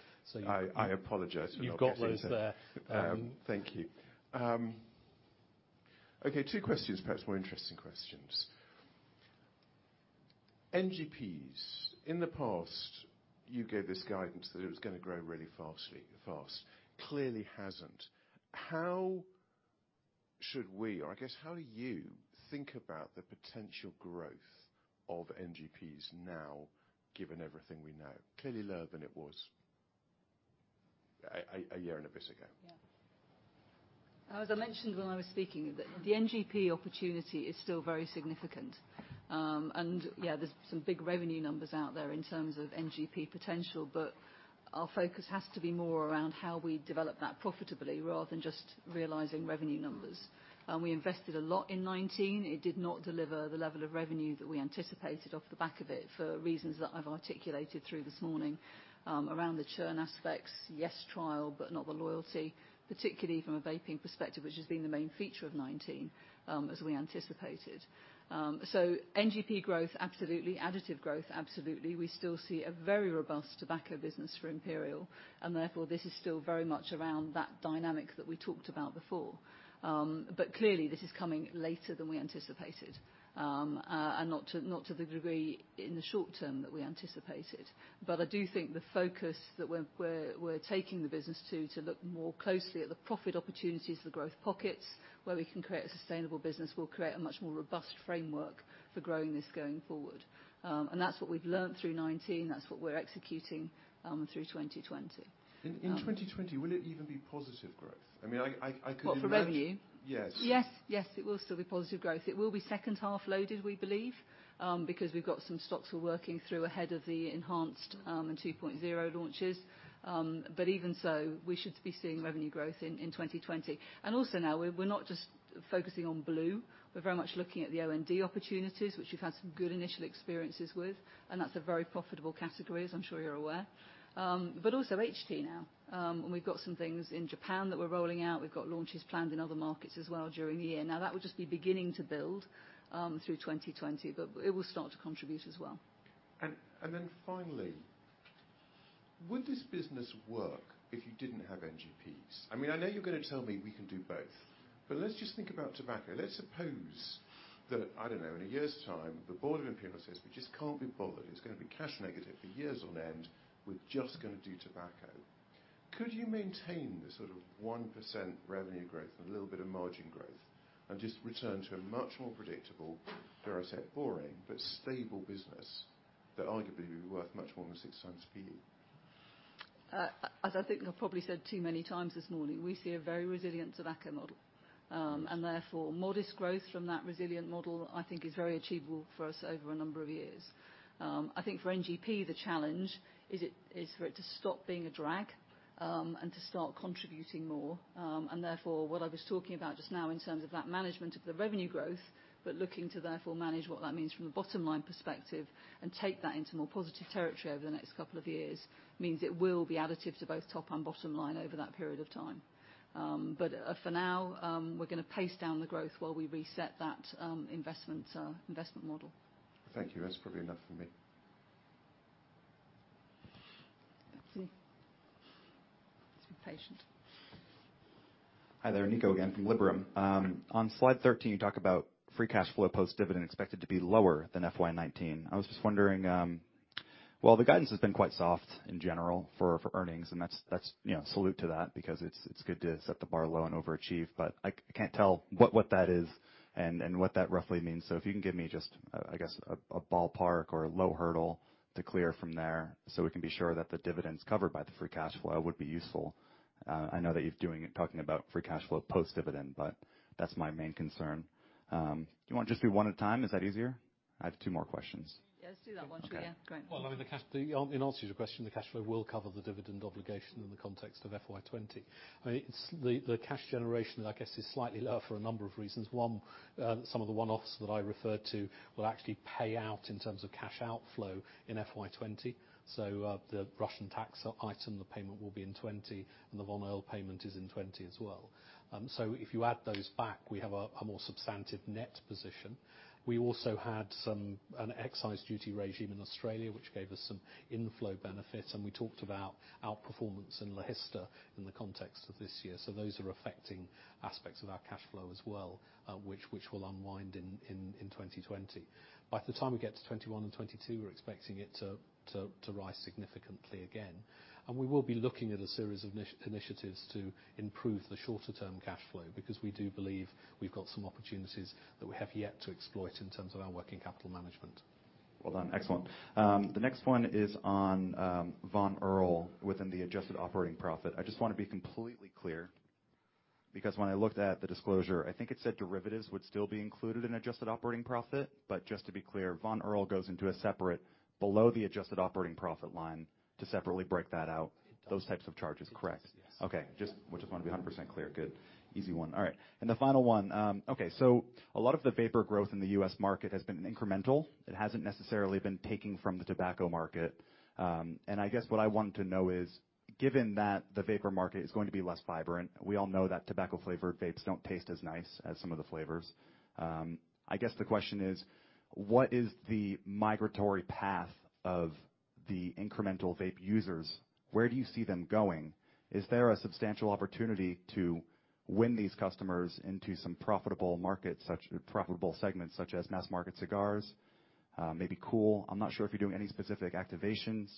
Speaker 8: I apologize for not getting there.
Speaker 2: You've got those there.
Speaker 8: Thank you. Okay, two questions, perhaps more interesting questions. NGPs. In the past, you gave this guidance that it was going to grow really fast. Clearly hasn't. How should we, or I guess how you think about the potential growth of NGPs now, given everything we know? Clearly lower than it was a year and a bit ago.
Speaker 1: Yeah. As I mentioned when I was speaking, the NGP opportunity is still very significant. Yeah, there's some big revenue numbers out there in terms of NGP potential, but our focus has to be more around how we develop that profitably rather than just realizing revenue numbers. We invested a lot in 2019. It did not deliver the level of revenue that we anticipated off the back of it for reasons that I've articulated through this morning, around the churn aspects, yes, trial, but not the loyalty, particularly from a vaping perspective, which has been the main feature of 2019, as we anticipated. NGP growth, absolutely. Additive growth, absolutely. We still see a very robust tobacco business for Imperial, therefore this is still very much around that dynamic that we talked about before. Clearly this is coming later than we anticipated, and not to the degree in the short term that we anticipated. I do think the focus that we're taking the business to look more closely at the profit opportunities for growth pockets, where we can create a sustainable business, we'll create a much more robust framework for growing this going forward. That's what we've learned through 2019. That's what we're executing through 2020.
Speaker 8: In 2020, will it even be positive growth?
Speaker 1: What, for revenue?
Speaker 8: Yes.
Speaker 1: Yes. Yes, it will still be positive growth. It will be second half loaded, we believe, because we've got some stocks we're working through ahead of the enhanced, and 2.0 launches. Even so, we should be seeing revenue growth in 2020. Also now, we're not just focusing on blu, we're very much looking at the O&D opportunities, which we've had some good initial experiences with, and that's a very profitable category, as I'm sure you're aware. Also, HT now. We've got some things in Japan that we're rolling out. We've got launches planned in other markets as well during the year. Now, that would just be beginning to build through 2020, but it will start to contribute as well.
Speaker 8: Finally, would this business work if you didn't have NGPs? I know you're going to tell me we can do both. Let's just think about tobacco. Let's suppose that, I don't know, in a year's time, the board of Imperial says, "We just can't be bothered. It's going to be cash negative for years on end. We're just going to do tobacco." Could you maintain the sort of 1% revenue growth and a little bit of margin growth, and just return to a much more predictable, dare I say, boring, but stable business that arguably would be worth much more than six times P/E?
Speaker 1: As I think I've probably said too many times this morning, we see a very resilient tobacco model. Therefore, modest growth from that resilient model, I think is very achievable for us over a number of years. I think for NGP, the challenge is for it to stop being a drag, and to start contributing more. Therefore, what I was talking about just now in terms of that management of the revenue growth, but looking to therefore manage what that means from a bottom line perspective and take that into more positive territory over the next couple of years, means it will be additive to both top and bottom line over that period of time. For now, we're going to pace down the growth while we reset that investment model.
Speaker 8: Thank you. That's probably enough for me.
Speaker 1: See. Just be patient.
Speaker 5: Hi there, Nico again from Liberum. On slide 13, you talk about free cash flow post-dividend expected to be lower than FY 2019. I was just wondering, well, the guidance has been quite soft in general for earnings, and salute to that because it's good to set the bar low and overachieve. I can't tell what that is and what that roughly means. If you can give me just, I guess, a ballpark or a low hurdle to clear from there so we can be sure that the dividend's covered by the free cash flow would be useful. I know that you're talking about free cash flow post-dividend, that's my main concern. You want just do one at a time? Is that easier? I have two more questions.
Speaker 1: Yeah, let's do that one too. Yeah. Go on.
Speaker 2: Well, in answer to your question, the cash flow will cover the dividend obligation in the context of FY 2020. The cash generation, I guess, is slightly lower for a number of reasons. One, some of the one-offs that I referred to will actually pay out in terms of cash outflow in FY 2020. The Russian tax item, the payment will be in 2020, and the Von Erl payment is in 2020 as well. If you add those back, we have a more substantive net position. We also had an excise duty regime in Australia, which gave us some inflow benefits, and we talked about outperformance in the history in the context of this year. Those are affecting aspects of our cash flow as well, which will unwind in 2020. By the time we get to 2021 and 2022, we're expecting it to rise significantly again. We will be looking at a series of initiatives to improve the shorter-term cash flow because we do believe we've got some opportunities that we have yet to exploit in terms of our working capital management.
Speaker 5: Well done. Excellent. The next one is on Von Erl within the adjusted operating profit. I just want to be completely clear because when I looked at the disclosure, I think it said derivatives would still be included in adjusted operating profit. Just to be clear, Von Erl goes into a separate below the adjusted operating profit line to separately break that out, those types of charges. Correct?
Speaker 2: Yes.
Speaker 5: Okay. Just want to be 100% clear. Good. Easy one. All right. The final one, a lot of the vapor growth in the U.S. market has been incremental. It hasn't necessarily been taking from the tobacco market. I guess what I want to know is, given that the vapor market is going to be less vibrant, we all know that tobacco-flavored vapes don't taste as nice as some of the flavors. I guess the question is, what is the migratory path of the incremental vape users? Where do you see them going? Is there a substantial opportunity to win these customers into some profitable segments such as mass market cigars, maybe Kool? I'm not sure if you're doing any specific activations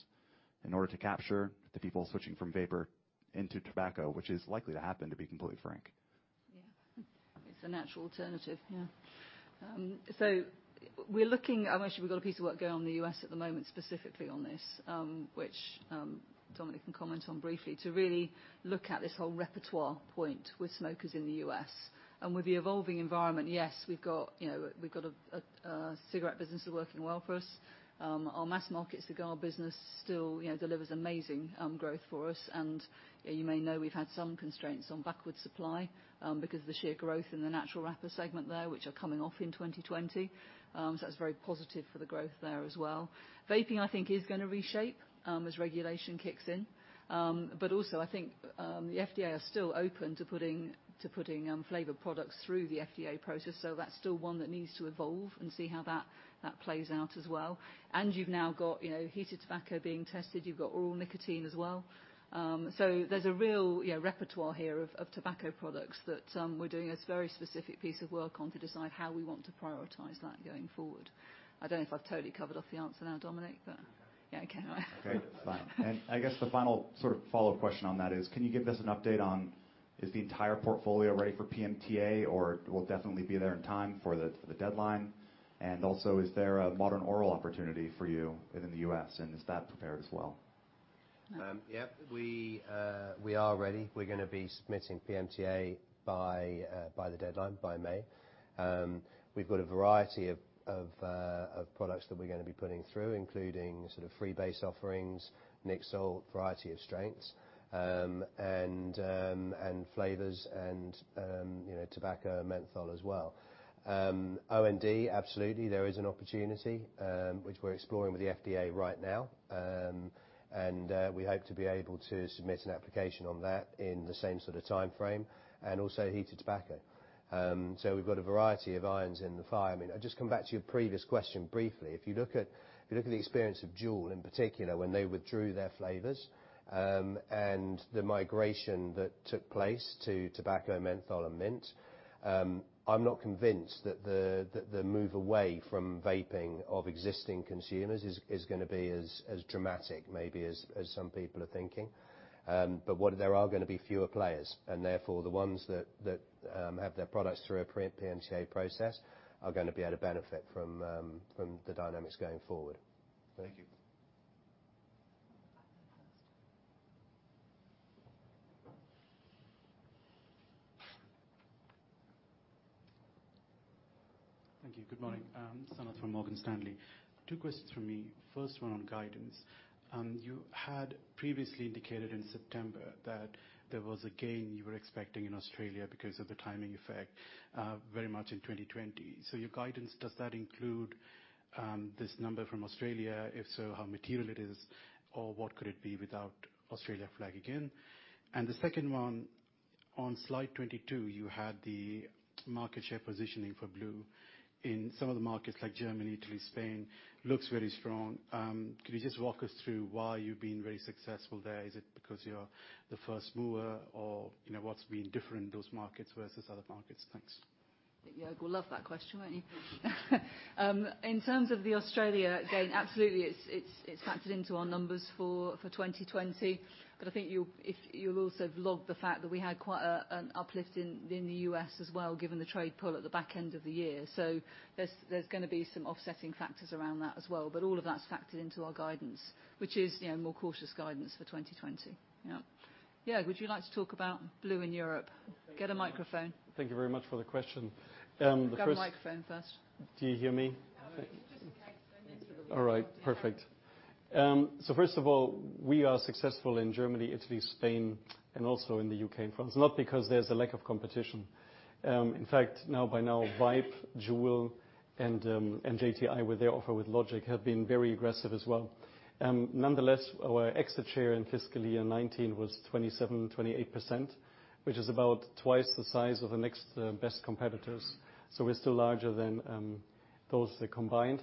Speaker 5: in order to capture the people switching from vapor into tobacco, which is likely to happen, to be completely frank.
Speaker 1: Yeah. It's a natural alternative.
Speaker 9: Yeah.
Speaker 1: Actually, we've got a piece of work going on in the U.S. at the moment, specifically on this, which Dominic can comment on briefly, to really look at this whole repertoire point with smokers in the U.S. With the evolving environment, yes, we've got a cigarette business that working well for us. Our mass market cigar business still delivers amazing growth for us, and you may know we've had some constraints on Backwoods supply because of the sheer growth in the natural wrapper segment there, which are coming off in 2020. That's very positive for the growth there as well. Vaping, I think, is going to reshape as regulation kicks in. Also, I think, the FDA are still open to putting flavored products through the FDA process, so that's still one that needs to evolve and see how that plays out as well. You've now got Heated Tobacco being tested. You've got oral nicotine as well. There's a real repertoire here of tobacco products that we're doing a very specific piece of work on to decide how we want to prioritize that going forward. I don't know if I've totally covered off the answer now, Dominic.
Speaker 9: Yeah.
Speaker 1: Yeah, okay.
Speaker 5: Okay, fine. I guess the final sort of follow-up question on that is, can you give us an update on is the entire portfolio ready for PMTA, or will it definitely be there in time for the deadline? Also, is there a modern oral opportunity for you within the U.S., and is that prepared as well?
Speaker 9: Yeah. We are ready. We're going to be submitting PMTA by the deadline, by May. We've got a variety of products that we're going to be putting through, including sort of freebase offerings, nic salt, variety of strengths, and flavors and tobacco and menthol as well. O&D, absolutely, there is an opportunity, which we're exploring with the FDA right now. We hope to be able to submit an application on that in the same sort of timeframe, and also heated tobacco. We've got a variety of irons in the fire. I mean, I'll just come back to your previous question briefly. If you look at the experience of Juul, in particular, when they withdrew their flavors, and the migration that took place to tobacco, menthol, and mint, I'm not convinced that the move away from vaping of existing consumers is going to be as dramatic maybe as some people are thinking. There are going to be fewer players, and therefore, the ones that have their products through a PMTA process are going to be able to benefit from the dynamics going forward.
Speaker 5: Thank you.
Speaker 1: I think that's it.
Speaker 10: Thank you. Good morning. Sanath from Morgan Stanley. Two questions from me. First one on guidance. You had previously indicated in September that there was a gain you were expecting in Australia because of the timing effect very much in 2020. Your guidance, does that include this number from Australia? If so, how material it is, or what could it be without Australia flagged again? The second one. On slide 22, you had the market share positioning for blu in some of the markets like Germany, Italy, Spain. Looks very strong. Can you just walk us through why you've been very successful there? Is it because you're the first mover or what's been different in those markets versus other markets? Thanks.
Speaker 1: I think Joerg will love that question, won't you? In terms of the Australia, again, absolutely, it's factored into our numbers for 2020. I think you'll also have logged the fact that we had quite a uplift in the U.S. as well, given the trade pull at the back end of the year. There's gonna be some offsetting factors around that as well. All of that's factored into our guidance, which is more cautious guidance for 2020. Yeah. Joerg, would you like to talk about blu in Europe? Get a microphone.
Speaker 4: Thank you very much for the question.
Speaker 1: Grab a microphone first.
Speaker 4: Do you hear me?
Speaker 11: Yeah.
Speaker 1: Just in case.
Speaker 4: All right. Perfect. First of all, we are successful in Germany, Italy, Spain, and also in the U.K. and France, not because there's a lack of competition. In fact, by now, Vype, Juul, and JTI with their offer with Logic have been very aggressive as well. Nonetheless, our exit share in FY 2019 was 27%-28%, which is about twice the size of the next best competitors. We're still larger than those combined.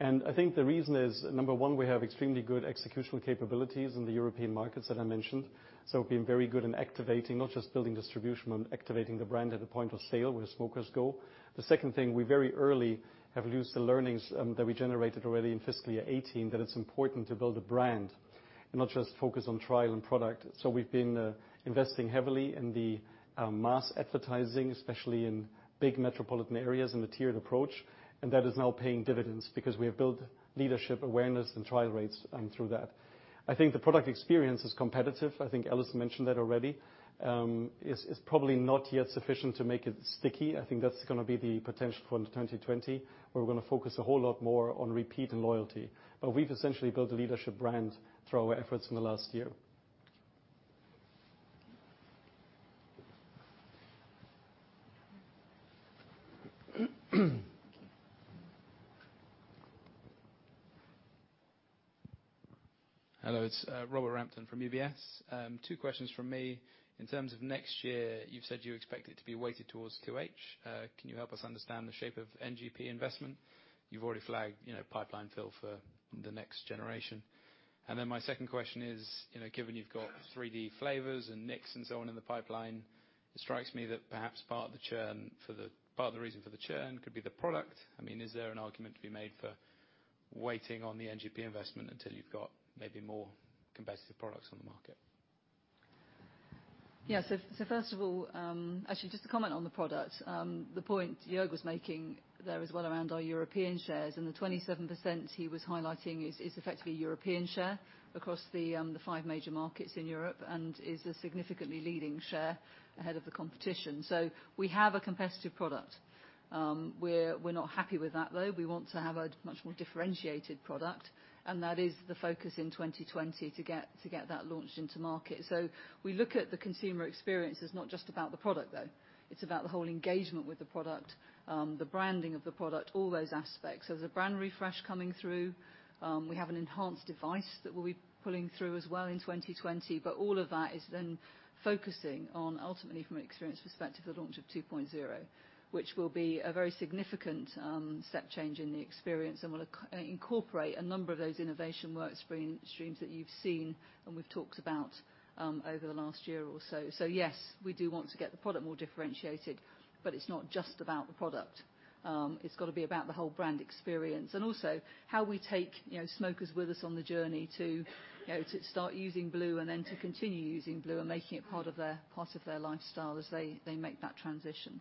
Speaker 4: I think the reason is, number 1, we have extremely good executional capabilities in the European markets that I mentioned. We've been very good in activating, not just building distribution, but activating the brand at the point of sale where smokers go. The second thing, we very early have used the learnings that we generated already in fiscal year 2018, that it's important to build a brand and not just focus on trial and product. We've been investing heavily in the mass advertising, especially in big metropolitan areas in the tiered approach, and that is now paying dividends because we have built leadership awareness and trial rates through that. I think the product experience is competitive. I think Alison mentioned that already. It's probably not yet sufficient to make it sticky. I think that's gonna be the potential for 2020, where we're gonna focus a whole lot more on repeat and loyalty. We've essentially built a leadership brand through our efforts in the last year.
Speaker 12: Hello, it's Robert Rampton from UBS. Two questions from me. In terms of next year, you've said you expect it to be weighted towards 2H. Can you help us understand the shape of NGP investment? You've already flagged pipeline fill for the next generation. My second question is, given you've got 3D flavors and nic salts and so on in the pipeline, it strikes me that perhaps part of the reason for the churn could be the product. Is there an argument to be made for waiting on the NGP investment until you've got maybe more competitive products on the market?
Speaker 1: Yeah. First of all, actually just to comment on the product, the point Joerg was making there as well around our European shares, and the 27% he was highlighting is effectively European share across the five major markets in Europe and is a significantly leading share ahead of the competition. We have a competitive product. We're not happy with that, though. We want to have a much more differentiated product, and that is the focus in 2020 to get that launched into market. We look at the consumer experience as not just about the product, though. It's about the whole engagement with the product, the branding of the product, all those aspects. There's a brand refresh coming through. We have an enhanced device that we'll be pulling through as well in 2020. All of that is then focusing on, ultimately from an experience perspective, the launch of 2.0, which will be a very significant step change in the experience and will incorporate a number of those innovation work streams that you've seen and we've talked about over the last year or so. Yes, we do want to get the product more differentiated, but it's not just about the product. It's got to be about the whole brand experience. Also how we take smokers with us on the journey to start using blu and then to continue using blu and making it part of their lifestyle as they make that transition.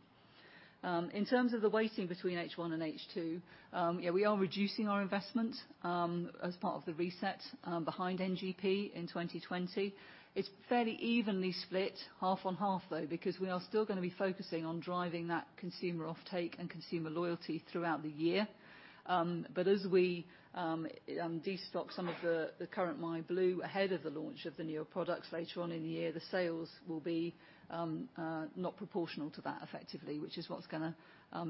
Speaker 1: In terms of the weighting between H1 and H2, yeah, we are reducing our investment as part of the reset behind NGP in 2020. It's fairly evenly split half on half, though, because we are still gonna be focusing on driving that consumer offtake and consumer loyalty throughout the year. As we de-stock some of the current myblu ahead of the launch of the newer products later on in the year, the sales will be not proportional to that effectively, which is what's gonna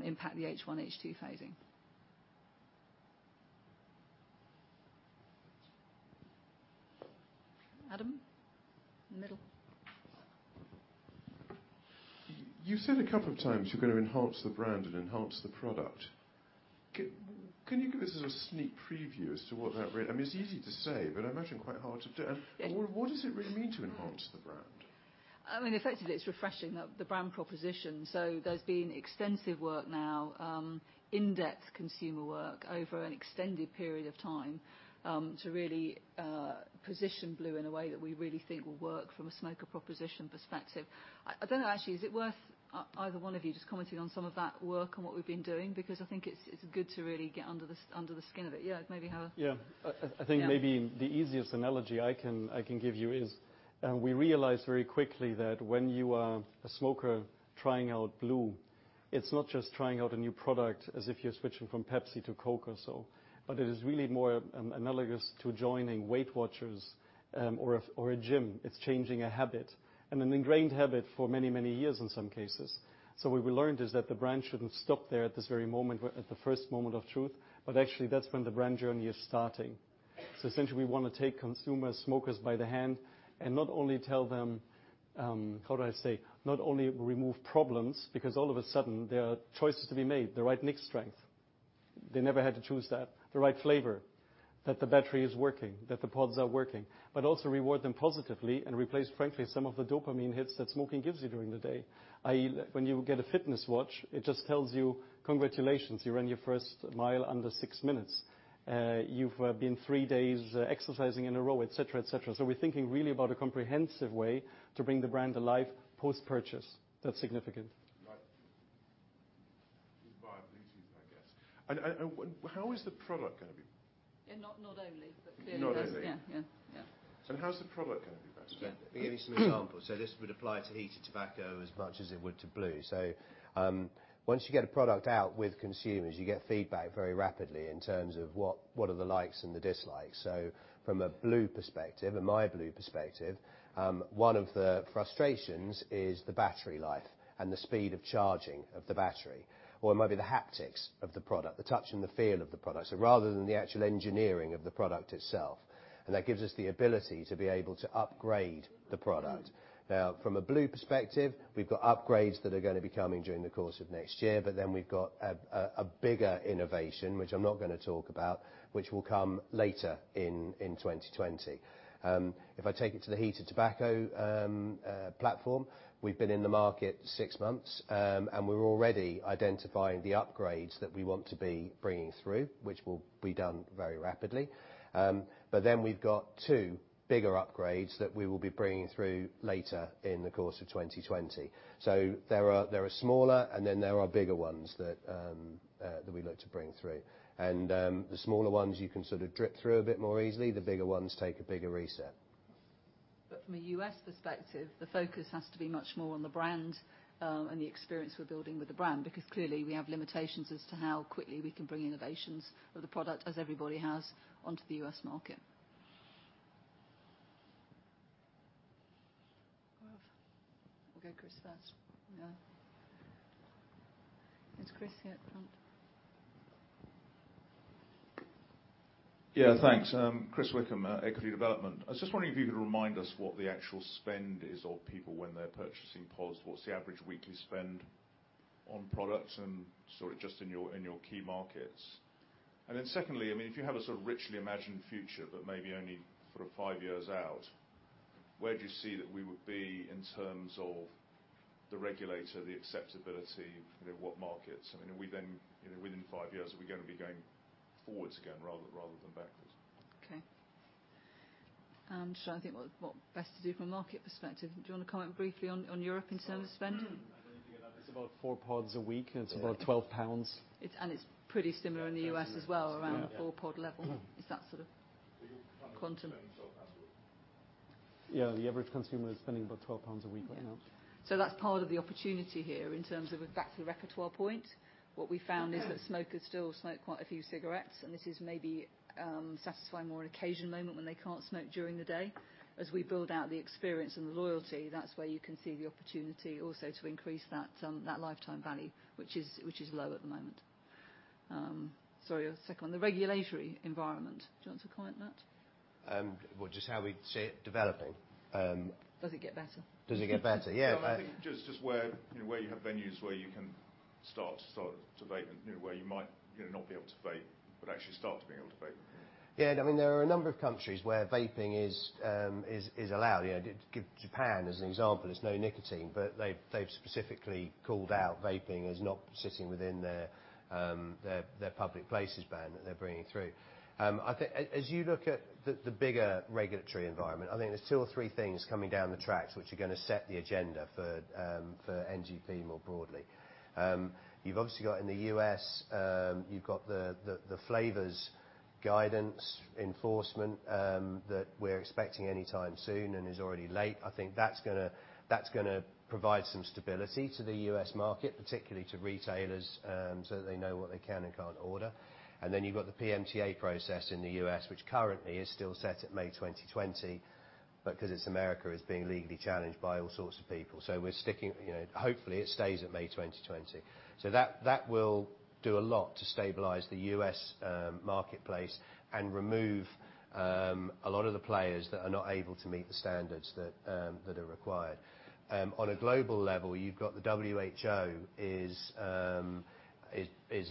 Speaker 1: impact the H1, H2 phasing. Adam? In the middle.
Speaker 8: You said a couple of times you're gonna enhance the brand and enhance the product. Can you give us a sneak preview as to what that really? It's easy to say, but I imagine quite hard to do.
Speaker 1: Yeah.
Speaker 8: What does it really mean to enhance the brand?
Speaker 1: Effectively, it's refreshing the brand proposition. There's been extensive work now, in-depth consumer work over an extended period of time, to really position blu in a way that we really think will work from a smoker proposition perspective. I don't know, actually, is it worth either one of you just commenting on some of that work and what we've been doing? Because I think it's good to really get under the skin of it. Joerg.
Speaker 4: Yeah.
Speaker 1: Yeah.
Speaker 4: I think maybe the easiest analogy I can give you is we realized very quickly that when you are a smoker trying out blu, it's not just trying out a new product as if you're switching from Pepsi to Coke or so. It is really more analogous to joining Weight Watchers or a gym. It's changing a habit, and an ingrained habit for many, many years in some cases. What we learned is that the brand shouldn't stop there at this very moment, at the first moment of truth, but actually, that's when the brand journey is starting. Essentially, we want to take consumer smokers by the hand and not only tell them, how do I say, not only remove problems, because all of a sudden there are choices to be made, the right nic strength. They never had to choose that. The right flavor, that the battery is working, that the pods are working, but also reward them positively and replace, frankly, some of the dopamine hits that smoking gives you during the day. I.e., when you get a fitness watch, it just tells you, "Congratulations, you ran your first mile under six minutes. You've been three days exercising in a row," et cetera. We're thinking really about a comprehensive way to bring the brand to life post-purchase that's significant.
Speaker 8: Right. Just buy a blu, I guess. How is the product going to be?
Speaker 1: Not only, but clearly-
Speaker 8: Not only.
Speaker 1: Yeah.
Speaker 8: How's the product going to be best, do you think?
Speaker 9: Give you some examples. This would apply to Heated Tobacco as much as it would to blu. Once you get a product out with consumers, you get feedback very rapidly in terms of what are the likes and the dislikes. From a blu perspective, and myblu perspective, one of the frustrations is the battery life and the speed of charging of the battery. It might be the haptics of the product, the touch and the feel of the product. Rather than the actual engineering of the product itself, and that gives us the ability to be able to upgrade the product. From a blu perspective, we've got upgrades that are going to be coming during the course of next year, but then we've got a bigger innovation, which I'm not going to talk about, which will come later in 2020. If I take it to the heated tobacco platform, we've been in the market six months, we're already identifying the upgrades that we want to be bringing through, which will be done very rapidly. We've got two bigger upgrades that we will be bringing through later in the course of 2020. There are smaller and then there are bigger ones that we look to bring through. The smaller ones, you can sort of drip through a bit more easily. The bigger ones take a bigger reset.
Speaker 1: From a U.S. perspective, the focus has to be much more on the brand, and the experience we're building with the brand, because clearly we have limitations as to how quickly we can bring innovations of the product, as everybody has, onto the U.S. market. We'll go Chris first, yeah. It's Chris at the front.
Speaker 13: Yeah, thanks. Chris Wickham, Equity Development. I was just wondering if you could remind us what the actual spend is of people when they're purchasing pods. What's the average weekly spend on products, and sort of just in your key markets? Secondly, if you have a sort of richly imagined future, but maybe only sort of five years out, where do you see that we would be in terms of the regulator, the acceptability, what markets? Within five years, are we going to be going forwards again rather than backwards?
Speaker 1: Okay. I think what best to do from a market perspective, do you want to comment briefly on Europe in terms of spending?
Speaker 4: It's about four pods a week, and it's about 12 pounds.
Speaker 1: It's pretty similar in the U.S. as well, around the 4-pod level. It's that sort of quantum.
Speaker 4: Yeah, the average consumer is spending about 12 pounds a week right now.
Speaker 1: That's part of the opportunity here in terms of, back to the repertoire point, what we found is that smokers still smoke quite a few cigarettes, and this is maybe satisfying more an occasion moment when they can't smoke during the day. As we build out the experience and the loyalty, that's where you can see the opportunity also to increase that lifetime value, which is low at the moment. Sorry, on the second one. The regulatory environment, do you want to comment on that?
Speaker 9: Well, just how we see it developing?
Speaker 1: Does it get better?
Speaker 9: Does it get better? Yeah.
Speaker 13: No, I think just where you have venues where you can start to vape and where you might not be able to vape, but actually start to be able to vape.
Speaker 9: Yeah, there are a number of countries where vaping is allowed. Japan as an example, there's no nicotine, but they've specifically called out vaping as not sitting within their public places ban that they're bringing through. As you look at the bigger regulatory environment, I think there's two or three things coming down the tracks which are going to set the agenda for NGP more broadly. You've obviously got in the U.S., you've got the flavors guidance enforcement that we're expecting any time soon and is already late. I think that's going to provide some stability to the U.S. market, particularly to retailers, so that they know what they can and can't order. You've got the PMTA process in the U.S., which currently is still set at May 2020, but because it's America, it's being legally challenged by all sorts of people. We're sticking. Hopefully, it stays at May 2020. That will do a lot to stabilize the U.S. marketplace and remove a lot of the players that are not able to meet the standards that are required. On a global level, you've got the WHO is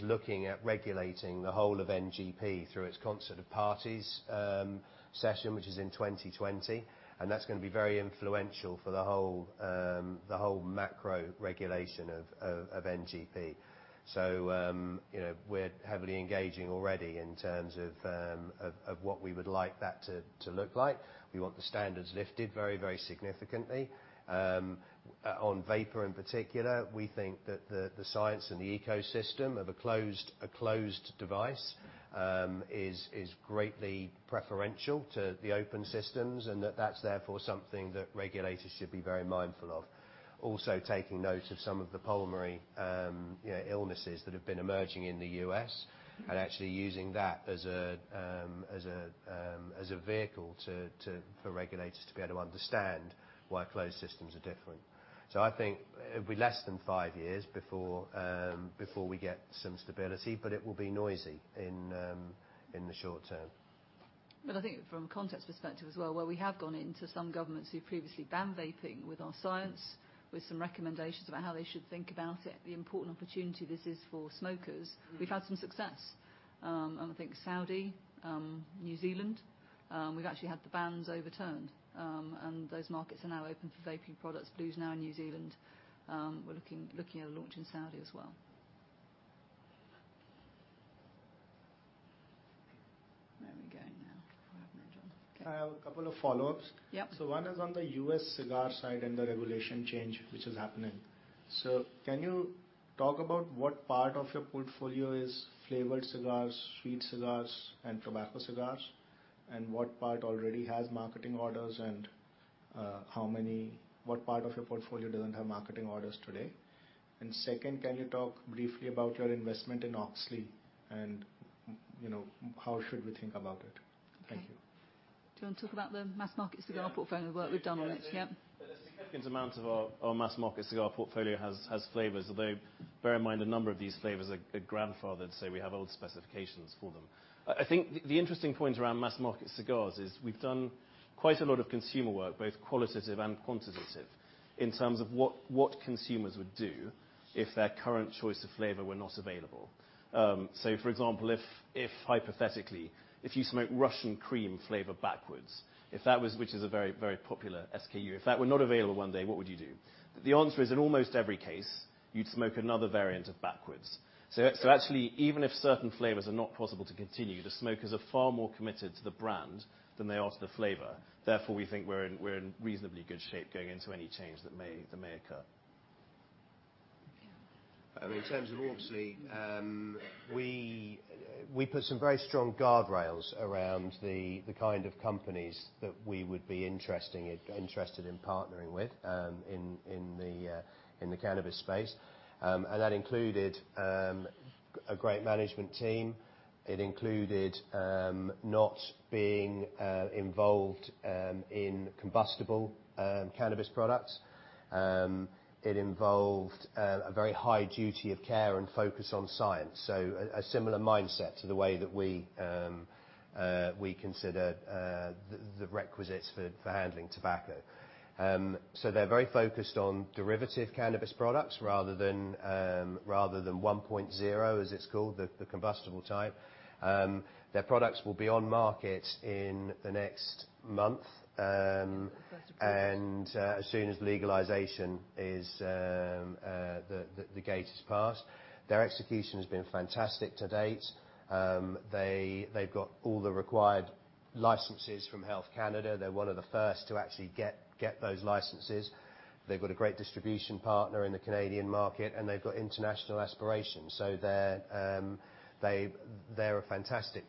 Speaker 9: looking at regulating the whole of NGP through its Conference of the Parties session, which is in 2020, that's going to be very influential for the whole macro regulation of NGP. We're heavily engaging already in terms of what we would like that to look like. We want the standards lifted very, very significantly. On vapor in particular, we think that the science and the ecosystem of a closed device is greatly preferential to the open systems, that's therefore something that regulators should be very mindful of. Taking note of some of the pulmonary illnesses that have been emerging in the U.S., and actually using that as a vehicle for regulators to be able to understand why closed systems are different. I think it'll be less than five years before we get some stability, but it will be noisy in the short term.
Speaker 1: I think from a context perspective as well, where we have gone into some governments who previously banned vaping with our science, with some recommendations about how they should think about it, the important opportunity this is for smokers, we've had some success. I think Saudi, New Zealand, we've actually had the bans overturned. Those markets are now open for vaping products. blu's now in New Zealand. We're looking at a launch in Saudi as well. Where are we going now?
Speaker 7: I have a couple of follow-ups.
Speaker 1: Yep.
Speaker 7: One is on the U.S. cigar side and the regulation change which is happening. Can you talk about what part of your portfolio is flavored cigars, sweet cigars, and tobacco cigars? What part already has marketing orders, and what part of your portfolio doesn't have marketing orders today? Second, can you talk briefly about your investment in Auxly, and how should we think about it? Thank you.
Speaker 1: Okay. Do you want to talk about the mass market cigar portfolio.
Speaker 3: Yeah
Speaker 1: work we've done on it? Yeah.
Speaker 3: A significant amount of our mass market cigar portfolio has flavors. Bear in mind, a number of these flavors are grandfathered, so we have old specifications for them. I think the interesting point around mass market cigars is we've done quite a lot of consumer work, both qualitative and quantitative, in terms of what consumers would do if their current choice of flavor were not available. For example, hypothetically, if you smoke Russian Cream flavor Backwoods, which is a very popular SKU. If that were not available one day, what would you do? The answer is, in almost every case, you'd smoke another variant of Backwoods. Actually, even if certain flavors are not possible to continue, the smokers are far more committed to the brand than they are to the flavor. We think we're in reasonably good shape going into any change that may occur.
Speaker 1: Yeah.
Speaker 9: In terms of Auxly, we put some very strong guardrails around the kind of companies that we would be interested in partnering with in the cannabis space. That included a great management team. It included not being involved in combustible cannabis products. It involved a very high duty of care and focus on science, so a similar mindset to the way that we consider the requisites for handling tobacco. They're very focused on derivative cannabis products rather than 1.0, as it's called, the combustible type. Their products will be on market in the next month-
Speaker 1: First quarter
Speaker 9: As soon as legalization, the gate has passed. Their execution has been fantastic to date. They've got all the required licenses from Health Canada. They're one of the first to actually get those licenses. They've got a great distribution partner in the Canadian market, and they've got international aspirations. They're a fantastic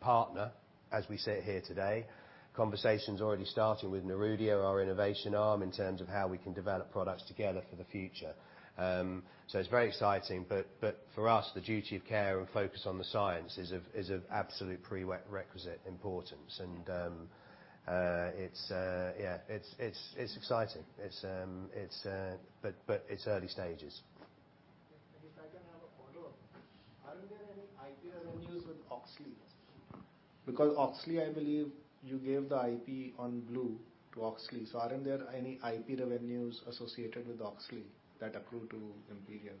Speaker 9: partner as we sit here today. Conversation's already started with Nerudia, our innovation arm, in terms of how we can develop products together for the future. It's very exciting. For us, the duty of care and focus on the science is of absolute prerequisite importance. It's exciting, but it's early stages.
Speaker 7: If I can have a follow-up. Aren't there any IP revenues with Auxly? Auxly, I believe you gave the IP on blu to Auxly, so aren't there any IP revenues associated with Auxly that accrue to Imperial?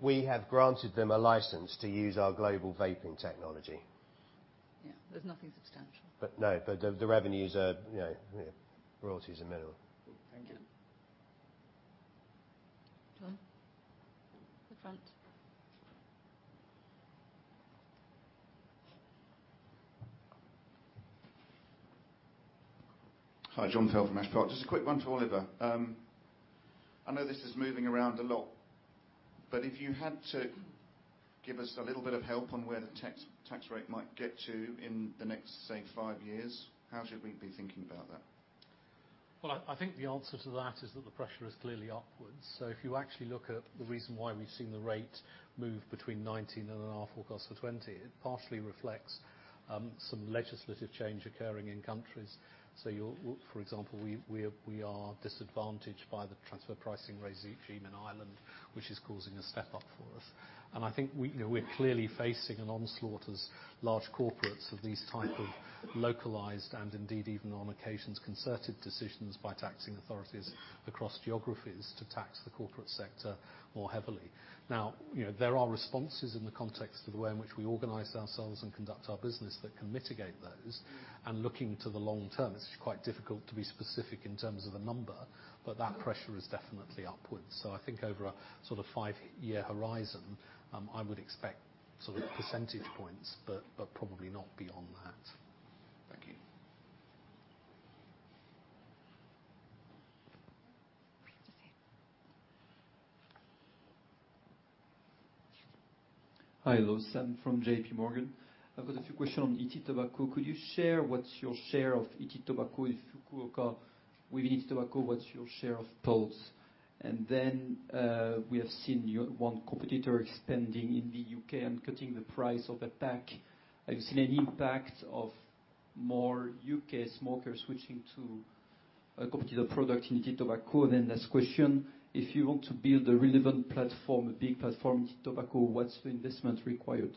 Speaker 9: We have granted them a license to use our global vaping technology.
Speaker 1: Yeah. There's nothing substantial.
Speaker 9: No, royalties are minimal.
Speaker 7: Thank you.
Speaker 1: Yeah. John, the front.
Speaker 14: Hi, John Tail from Ash Park. Just a quick one to Oliver. I know this is moving around a lot. If you had to give us a little bit of help on where the tax rate might get to in the next, say, five years, how should we be thinking about that?
Speaker 2: Well, I think the answer to that is that the pressure is clearly upwards. If you actually look at the reason why we've seen the rate move between 19.5 or close to 20, it partially reflects some legislative change occurring in countries. For example, we are disadvantaged by the transfer pricing regime in Ireland, which is causing a step up for us. I think we're clearly facing an onslaught as large corporates of these type of localized and indeed, even on occasions, concerted decisions by taxing authorities across geographies to tax the corporate sector more heavily. Now, there are responses in the context of the way in which we organize ourselves and conduct our business that can mitigate those. Looking to the long term, it's quite difficult to be specific in terms of a number, but that pressure is definitely upwards. I think over a sort of 5-year horizon, I would expect sort of percentage points, but probably not beyond that.
Speaker 14: Thank you.
Speaker 1: We have to sit.
Speaker 15: Hi, Lois. I'm from JPMorgan. I've got a few question on [IT] Tobacco. Could you share what's your share of [IT] Tobacco with Fukuoka? Within [IT] Tobacco, what's your share of Pulze? We have seen one competitor expanding in the U.K. and cutting the price of a pack. Have you seen any impact of more U.K. smokers switching to a competitor product in heated tobacco? Last question, if you want to build a relevant platform, a big platform in heated tobacco, what's the investment required?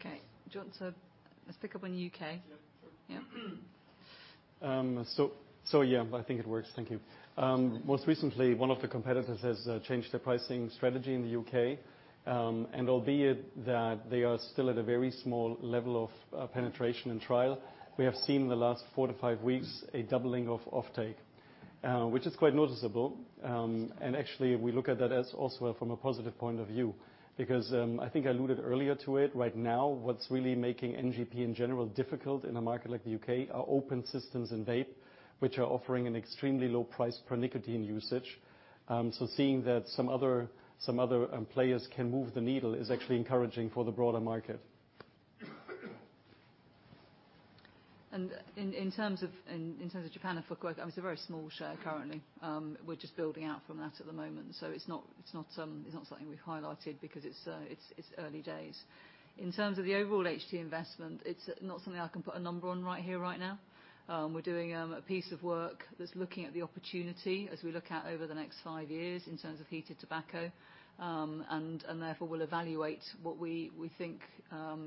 Speaker 1: Okay. Let's pick up on U.K.
Speaker 4: Yeah, sure.
Speaker 1: Yeah.
Speaker 4: Yeah, I think it works. Thank you. Most recently, one of the competitors has changed their pricing strategy in the U.K. Albeit that they are still at a very small level of penetration and trial, we have seen the last four to five weeks a doubling of offtake, which is quite noticeable. Actually, we look at that as also from a positive point of view because, I think I alluded earlier to it, right now what's really making NGP in general difficult in a market like the U.K. are open systems and vape, which are offering an extremely low price per nicotine usage. Seeing that some other players can move the needle is actually encouraging for the broader market.
Speaker 1: In terms of Japan and Fukuoka, it's a very small share currently. We're just building out from that at the moment. It's not something we've highlighted because it's early days. In terms of the overall HT investment, it's not something I can put a number on right here, right now. We're doing a piece of work that's looking at the opportunity as we look out over the next five years in terms of heated tobacco, and therefore, we'll evaluate what we think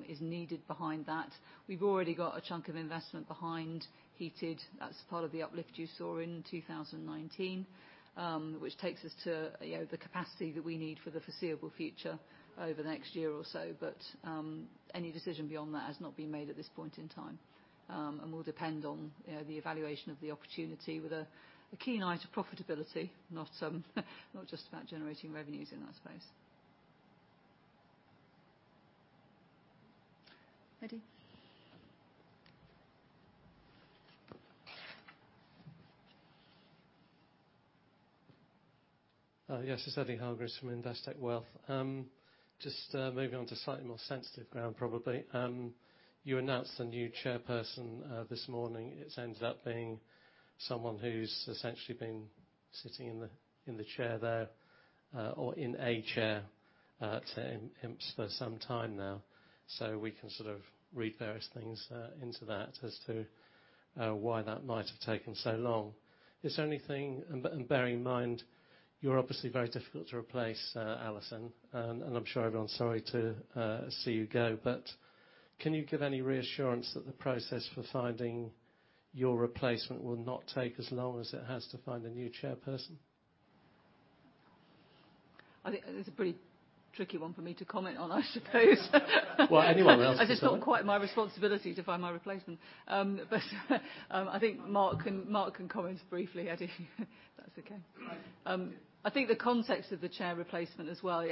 Speaker 1: is needed behind that. We've already got a chunk of investment behind heated. That's part of the uplift you saw in 2019, which takes us to the capacity that we need for the foreseeable future over the next year or so. Any decision beyond that has not been made at this point in time, will depend on the evaluation of the opportunity with a keen eye to profitability, not just about generating revenues in that space. Eddy?
Speaker 16: Yes. It is Eddy Hargreaves from Investec Wealth. Just moving on to slightly more sensitive ground probably. You announced a new chairperson this morning. It has ended up being someone who is essentially been sitting in the chair there, or in a chair at IMPS for some time now. We can sort of read various things into that as to why that might have taken so long. Is there anything, and bearing in mind you are obviously very difficult to replace, Alison, and I am sure everyone is sorry to see you go, can you give any reassurance that the process for finding your replacement will not take as long as it has to find a new chairperson?
Speaker 1: I think that's a pretty tricky one for me to comment on, I suppose.
Speaker 16: Well, anyone else.
Speaker 1: It's just not quite my responsibility to find my replacement. I think Mark can comment briefly, Eddy, if that's okay.
Speaker 17: Right.
Speaker 1: I think the context of the chair replacement as well, it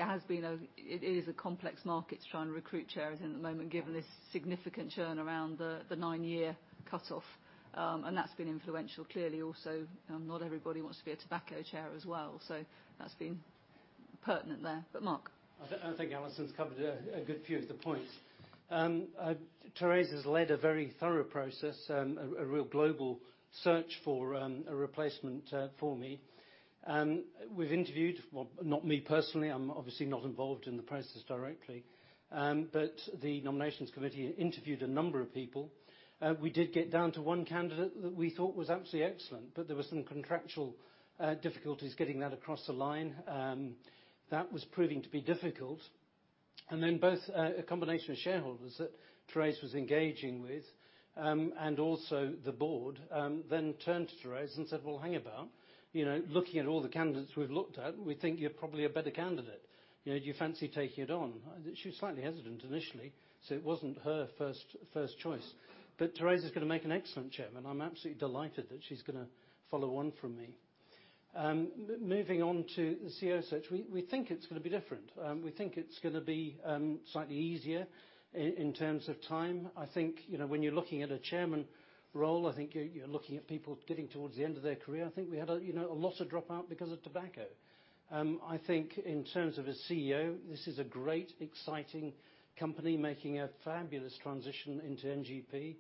Speaker 1: is a complex market to try and recruit chairs in at the moment given this significant churn around the nine-year cutoff. That's been influential clearly also, not everybody wants to be a tobacco chair as well, so that's been pertinent there. Mark?
Speaker 17: I think Alison's covered a good few of the points. Thérèse has led a very thorough process, a real global search for a replacement for me. We've interviewed, well, not me personally, I'm obviously not involved in the process directly. The nominations committee interviewed a number of people. We did get down to one candidate that we thought was absolutely excellent, but there were some contractual difficulties getting that across the line. That was proving to be difficult. Then both a combination of shareholders that Thérèse was engaging with, and also the board, then turned to Thérèse and said, "Well, hang about. Looking at all the candidates we've looked at, we think you're probably a better candidate. Do you fancy taking it on?" She was slightly hesitant initially, so it wasn't her first choice. Thérèse is going to make an excellent Chairman. I'm absolutely delighted that she's going to follow on from me. Moving on to the CEO search, we think it's going to be different. We think it's going to be slightly easier in terms of time. I think when you're looking at a chairman role, I think you're looking at people getting towards the end of their career. I think we had a lot of dropout because of tobacco. I think in terms of a CEO, this is a great exciting company making a fabulous transition into NGP.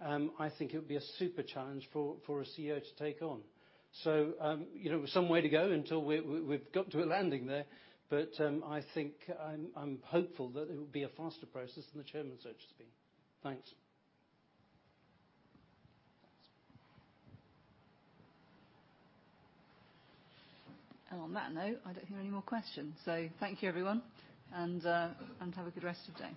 Speaker 17: I think it would be a super challenge for a CEO to take on. Some way to go until we've got to a landing there. I think I'm hopeful that it will be a faster process than the chairman search has been. Thanks.
Speaker 1: On that note, I don't hear any more questions. Thank you everyone, and have a good rest of your day.